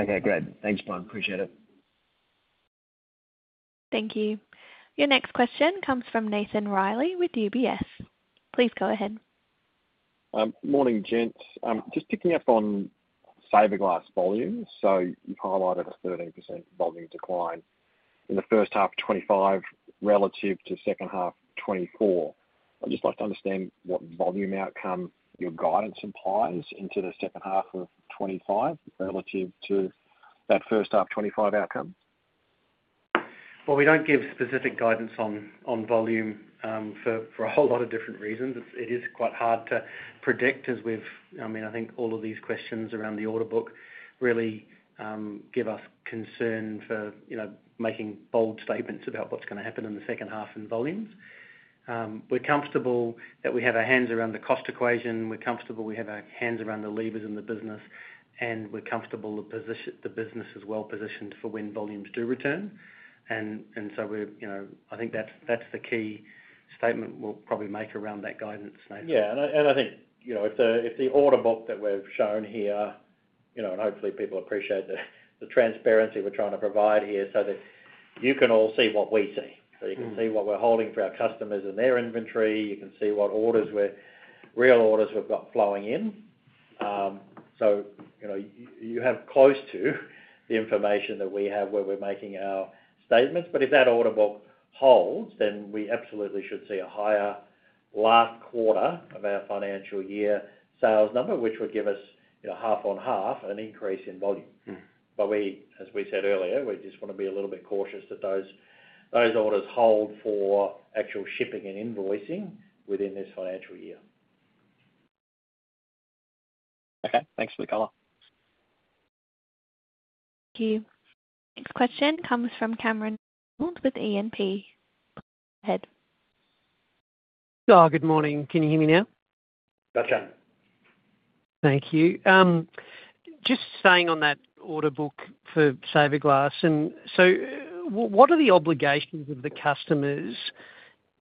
Okay. Great. Thanks, Brian. Appreciate it. Thank you. Your next question comes from Nathan Laidig with UBS. Please go ahead. Morning, gents. Just picking up on Saverglass volume. So you've highlighted a 13% volume decline in the first half of 2025 relative to second half of 2024. I'd just like to understand what volume outcome your guidance implies into the second half of 2025 relative to that first half of 2025 outcome. Well, we don't give specific guidance on volume for a whole lot of different reasons. It is quite hard to predict as we've I mean, I think all of these questions around the order book really give us concern for making bold statements about what's going to happen in the second half in volumes. We're comfortable that we have our hands around the cost equation. We're comfortable we have our hands around the levers in the business. And we're comfortable the business is well-positioned for when volumes do return. And so I think that's the key statement we'll probably make around that guidance, Nathan. Yeah. And I think if the order book that we've shown here, and hopefully people appreciate the transparency we're trying to provide here so that you can all see what we see. So you can see what we're holding for our customers and their inventory. You can see what real orders we've got flowing in. So you have close to the information that we have where we're making our statements. But if that order book holds, then we absolutely should see a higher last quarter of our financial year sales number, which would give us half-on-half an increase in volume. But as we said earlier, we just want to be a little bit cautious that those orders hold for actual shipping and invoicing within this financial year. Okay. Thanks, Nicola. Thank you. Next question comes from Cameron McDonald with E&P. Please go ahead. Good morning. Can you hear me now? Gotcha. Thank you. Just staying on that order book for Saverglass. And so what are the obligations of the customers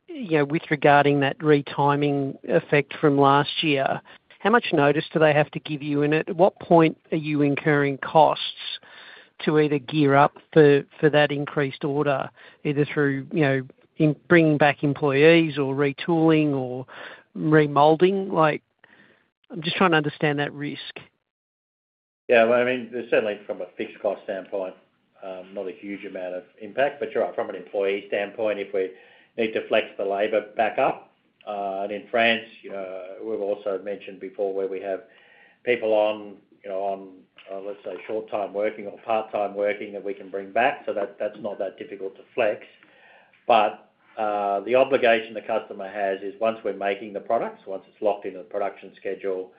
with regarding that retiming effect from last year? How much notice do they have to give you in it? At what point are you incurring costs to either gear up for that increased order, either through bringing back employees or retooling or remolding? I'm just trying to understand that risk. Yeah, I mean, there's certainly from a fixed cost standpoint not a huge amount of impact, but from an employee standpoint, if we need to flex the labor back up and in France, we've also mentioned before where we have people on, let's say, short-time working or part-time working that we can bring back. So that's not that difficult to flex, but the obligation the customer has is once we're making the products, once it's locked into the production schedule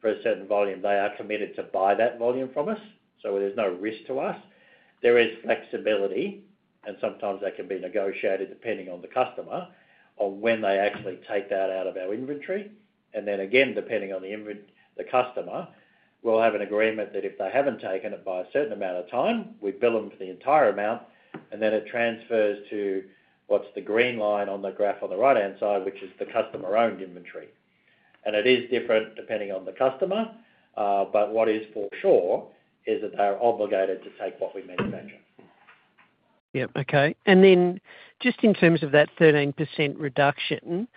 for a certain volume, they are committed to buy that volume from us. So there's no risk to us. There is flexibility, and sometimes that can be negotiated depending on the customer on when they actually take that out of our inventory. And then again, depending on the customer, we'll have an agreement that if they haven't taken it by a certain amount of time, we bill them for the entire amount. And then it transfers to what's the green line on the graph on the right-hand side, which is the customer-owned inventory. And it is different depending on the customer. But what is for sure is that they are obligated to take what we manufacture. Yep. Okay. And then just in terms of that 13% reduction,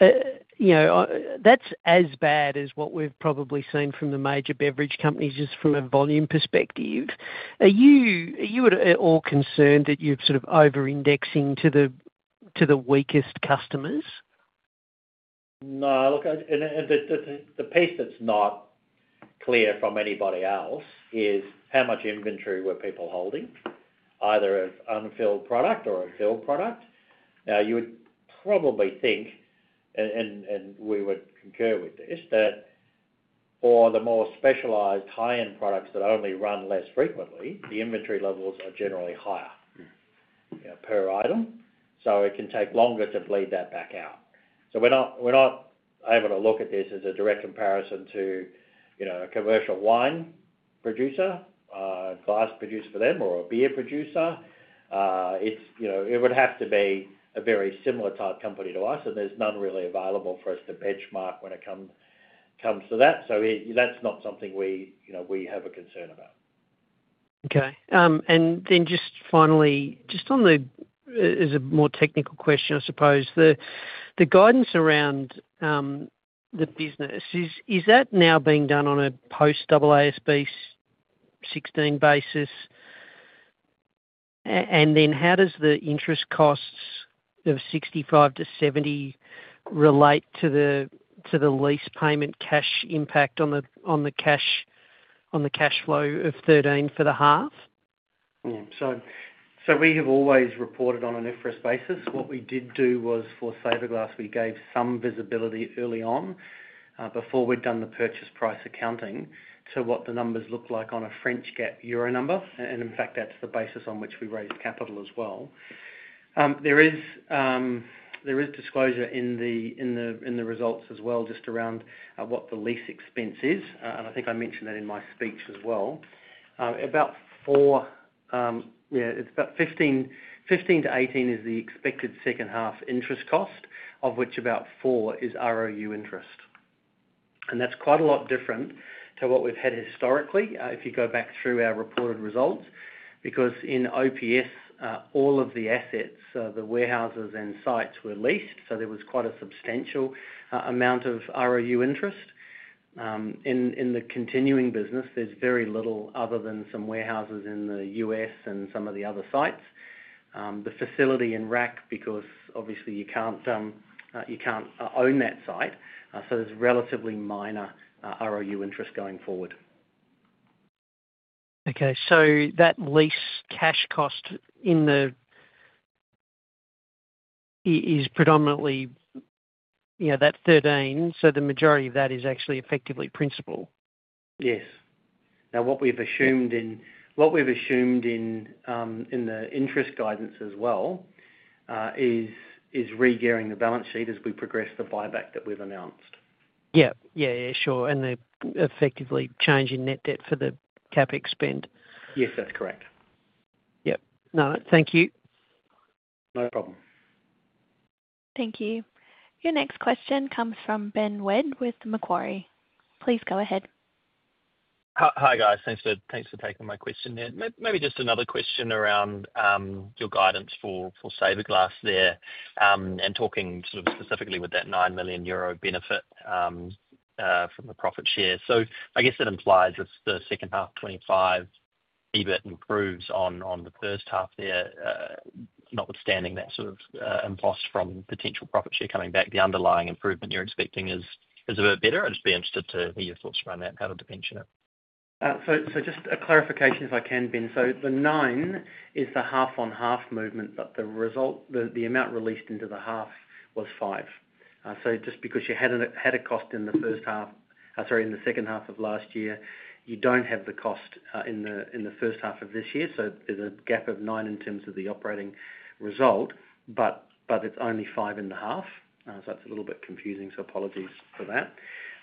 that's as bad as what we've probably seen from the major beverage companies just from a volume perspective. Are you at all concerned that you're sort of over-indexing to the weakest customers? No. And the piece that's not clear from anybody else is how much inventory were people holding, either of unfilled product or of filled product. Now, you would probably think, and we would concur with this, that for the more specialized high-end products that only run less frequently, the inventory levels are generally higher per item. So it can take longer to bleed that back out. So we're not able to look at this as a direct comparison to a commercial wine producer, a glass producer for them, or a beer producer. It would have to be a very similar type company to us. And there's none really available for us to benchmark when it comes to that. So that's not something we have a concern about. Okay. And then just finally, just on the as a more technical question, I suppose, the guidance around the business, is that now being done on a post-AASB '16 basis? And then how does the interest costs of 65-70 relate to the lease payment cash impact on the cash flow of $13 for the half? So we have always reported on an IFRS basis. What we did do was for Saverglass, we gave some visibility early on before we'd done the purchase price accounting to what the numbers looked like on a French GAAP euro number. And in fact, that's the basis on which we raised capital as well. There is disclosure in the results as well just around what the lease expense is. And I think I mentioned that in my speech as well. About 4, yeah, it's about 5-18 is the expected second half interest cost, of which about 4 is ROU interest. And that's quite a lot different to what we've had historically if you go back through our reported results. Because in OPS, all of the assets, the warehouses and sites were leased. So there was quite a substantial amount of ROU interest. In the continuing business, there's very little other than some warehouses in the U.S. and some of the other sites. The facility in RAK, because obviously you can't own that site. So there's relatively minor ROU interest going forward. Okay. So that lease cash cost is predominantly that the thing. So the majority of that is actually effectively principal. Yes. Now, what we've assumed in what we've assumed in the interest guidance as well is re-gearing the balance sheet as we progress the buyback that we've announced. Yep. Yeah. Sure. And effectively changing net debt for the CapEx. Yes. That's correct. Yep. No. Thank you. No problem. Thank you. Your next question comes from Ben Way with Macquarie. Please go ahead. Hi, guys. Thanks for taking my question there. Maybe just another question around your guidance for Saverglass there and talking sort of specifically with that €9 million benefit from the profit share. So I guess that implies if the second half 2025 EBIT improves on the first half there, notwithstanding that sort of impost from potential profit share coming back, the underlying improvement you're expecting is a bit better. I'd just be interested to hear your thoughts around that and how to differentiate it. So just a clarification if I can, Ben. So the 9 is the half on half movement, but the amount released into the half was 5. So just because you had a cost in the first half sorry, in the second half of last year, you don't have the cost in the first half of this year. So there's a gap of nine in terms of the operating result, but it's only five and a half. So that's a little bit confusing. So apologies for that.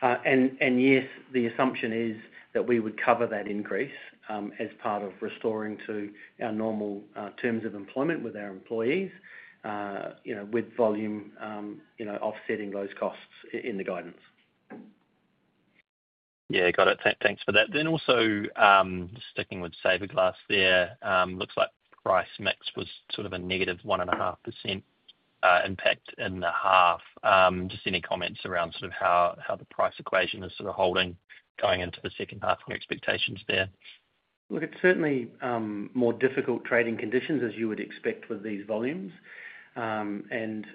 And yes, the assumption is that we would cover that increase as part of restoring to our normal terms of employment with our employees with volume offsetting those costs in the guidance. Yeah. Got it. Thanks for that. Then also sticking with Saverglass there, looks like price mix was sort of a negative 1.5% impact in the half. Just any comments around sort of how the price equation is sort of holding going into the second half expectations there? Look, it's certainly more difficult trading conditions as you would expect with these volumes. And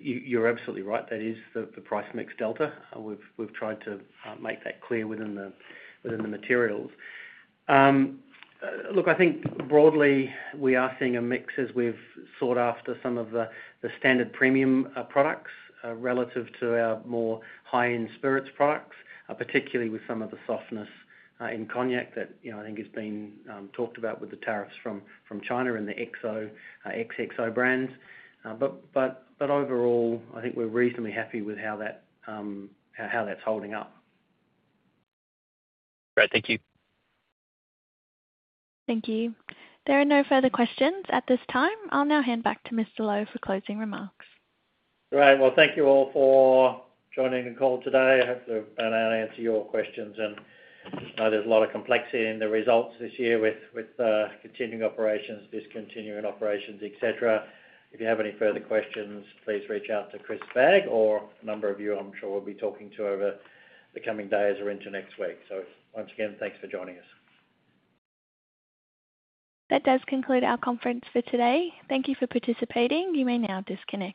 you're absolutely right. That is the price mix delta. We've tried to make that clear within the materials. Look, I think broadly we are seeing a mix as we've sought after some of the standard premium products relative to our more high-end spirits products, particularly with some of the softness in cognac that I think has been talked about with the tariffs from China and the XO brands, but overall, I think we're reasonably happy with how that's holding up. Great. Thank you. Thank you. There are no further questions at this time. I'll now hand back to Mr. Lowe for closing remarks. All right, well, thank you all for joining the call today. I hope that I've been able to answer your questions, and there's a lot of complexity in the results this year with continuing operations, discontinued operations, etc.If you have any further questions, please reach out to Chris Vagg or a number of you I'm sure we'll be talking to over the coming days or into next week. So once again, thanks for joining us. That does conclude our conference for today. Thank you for participating. You may now disconnect.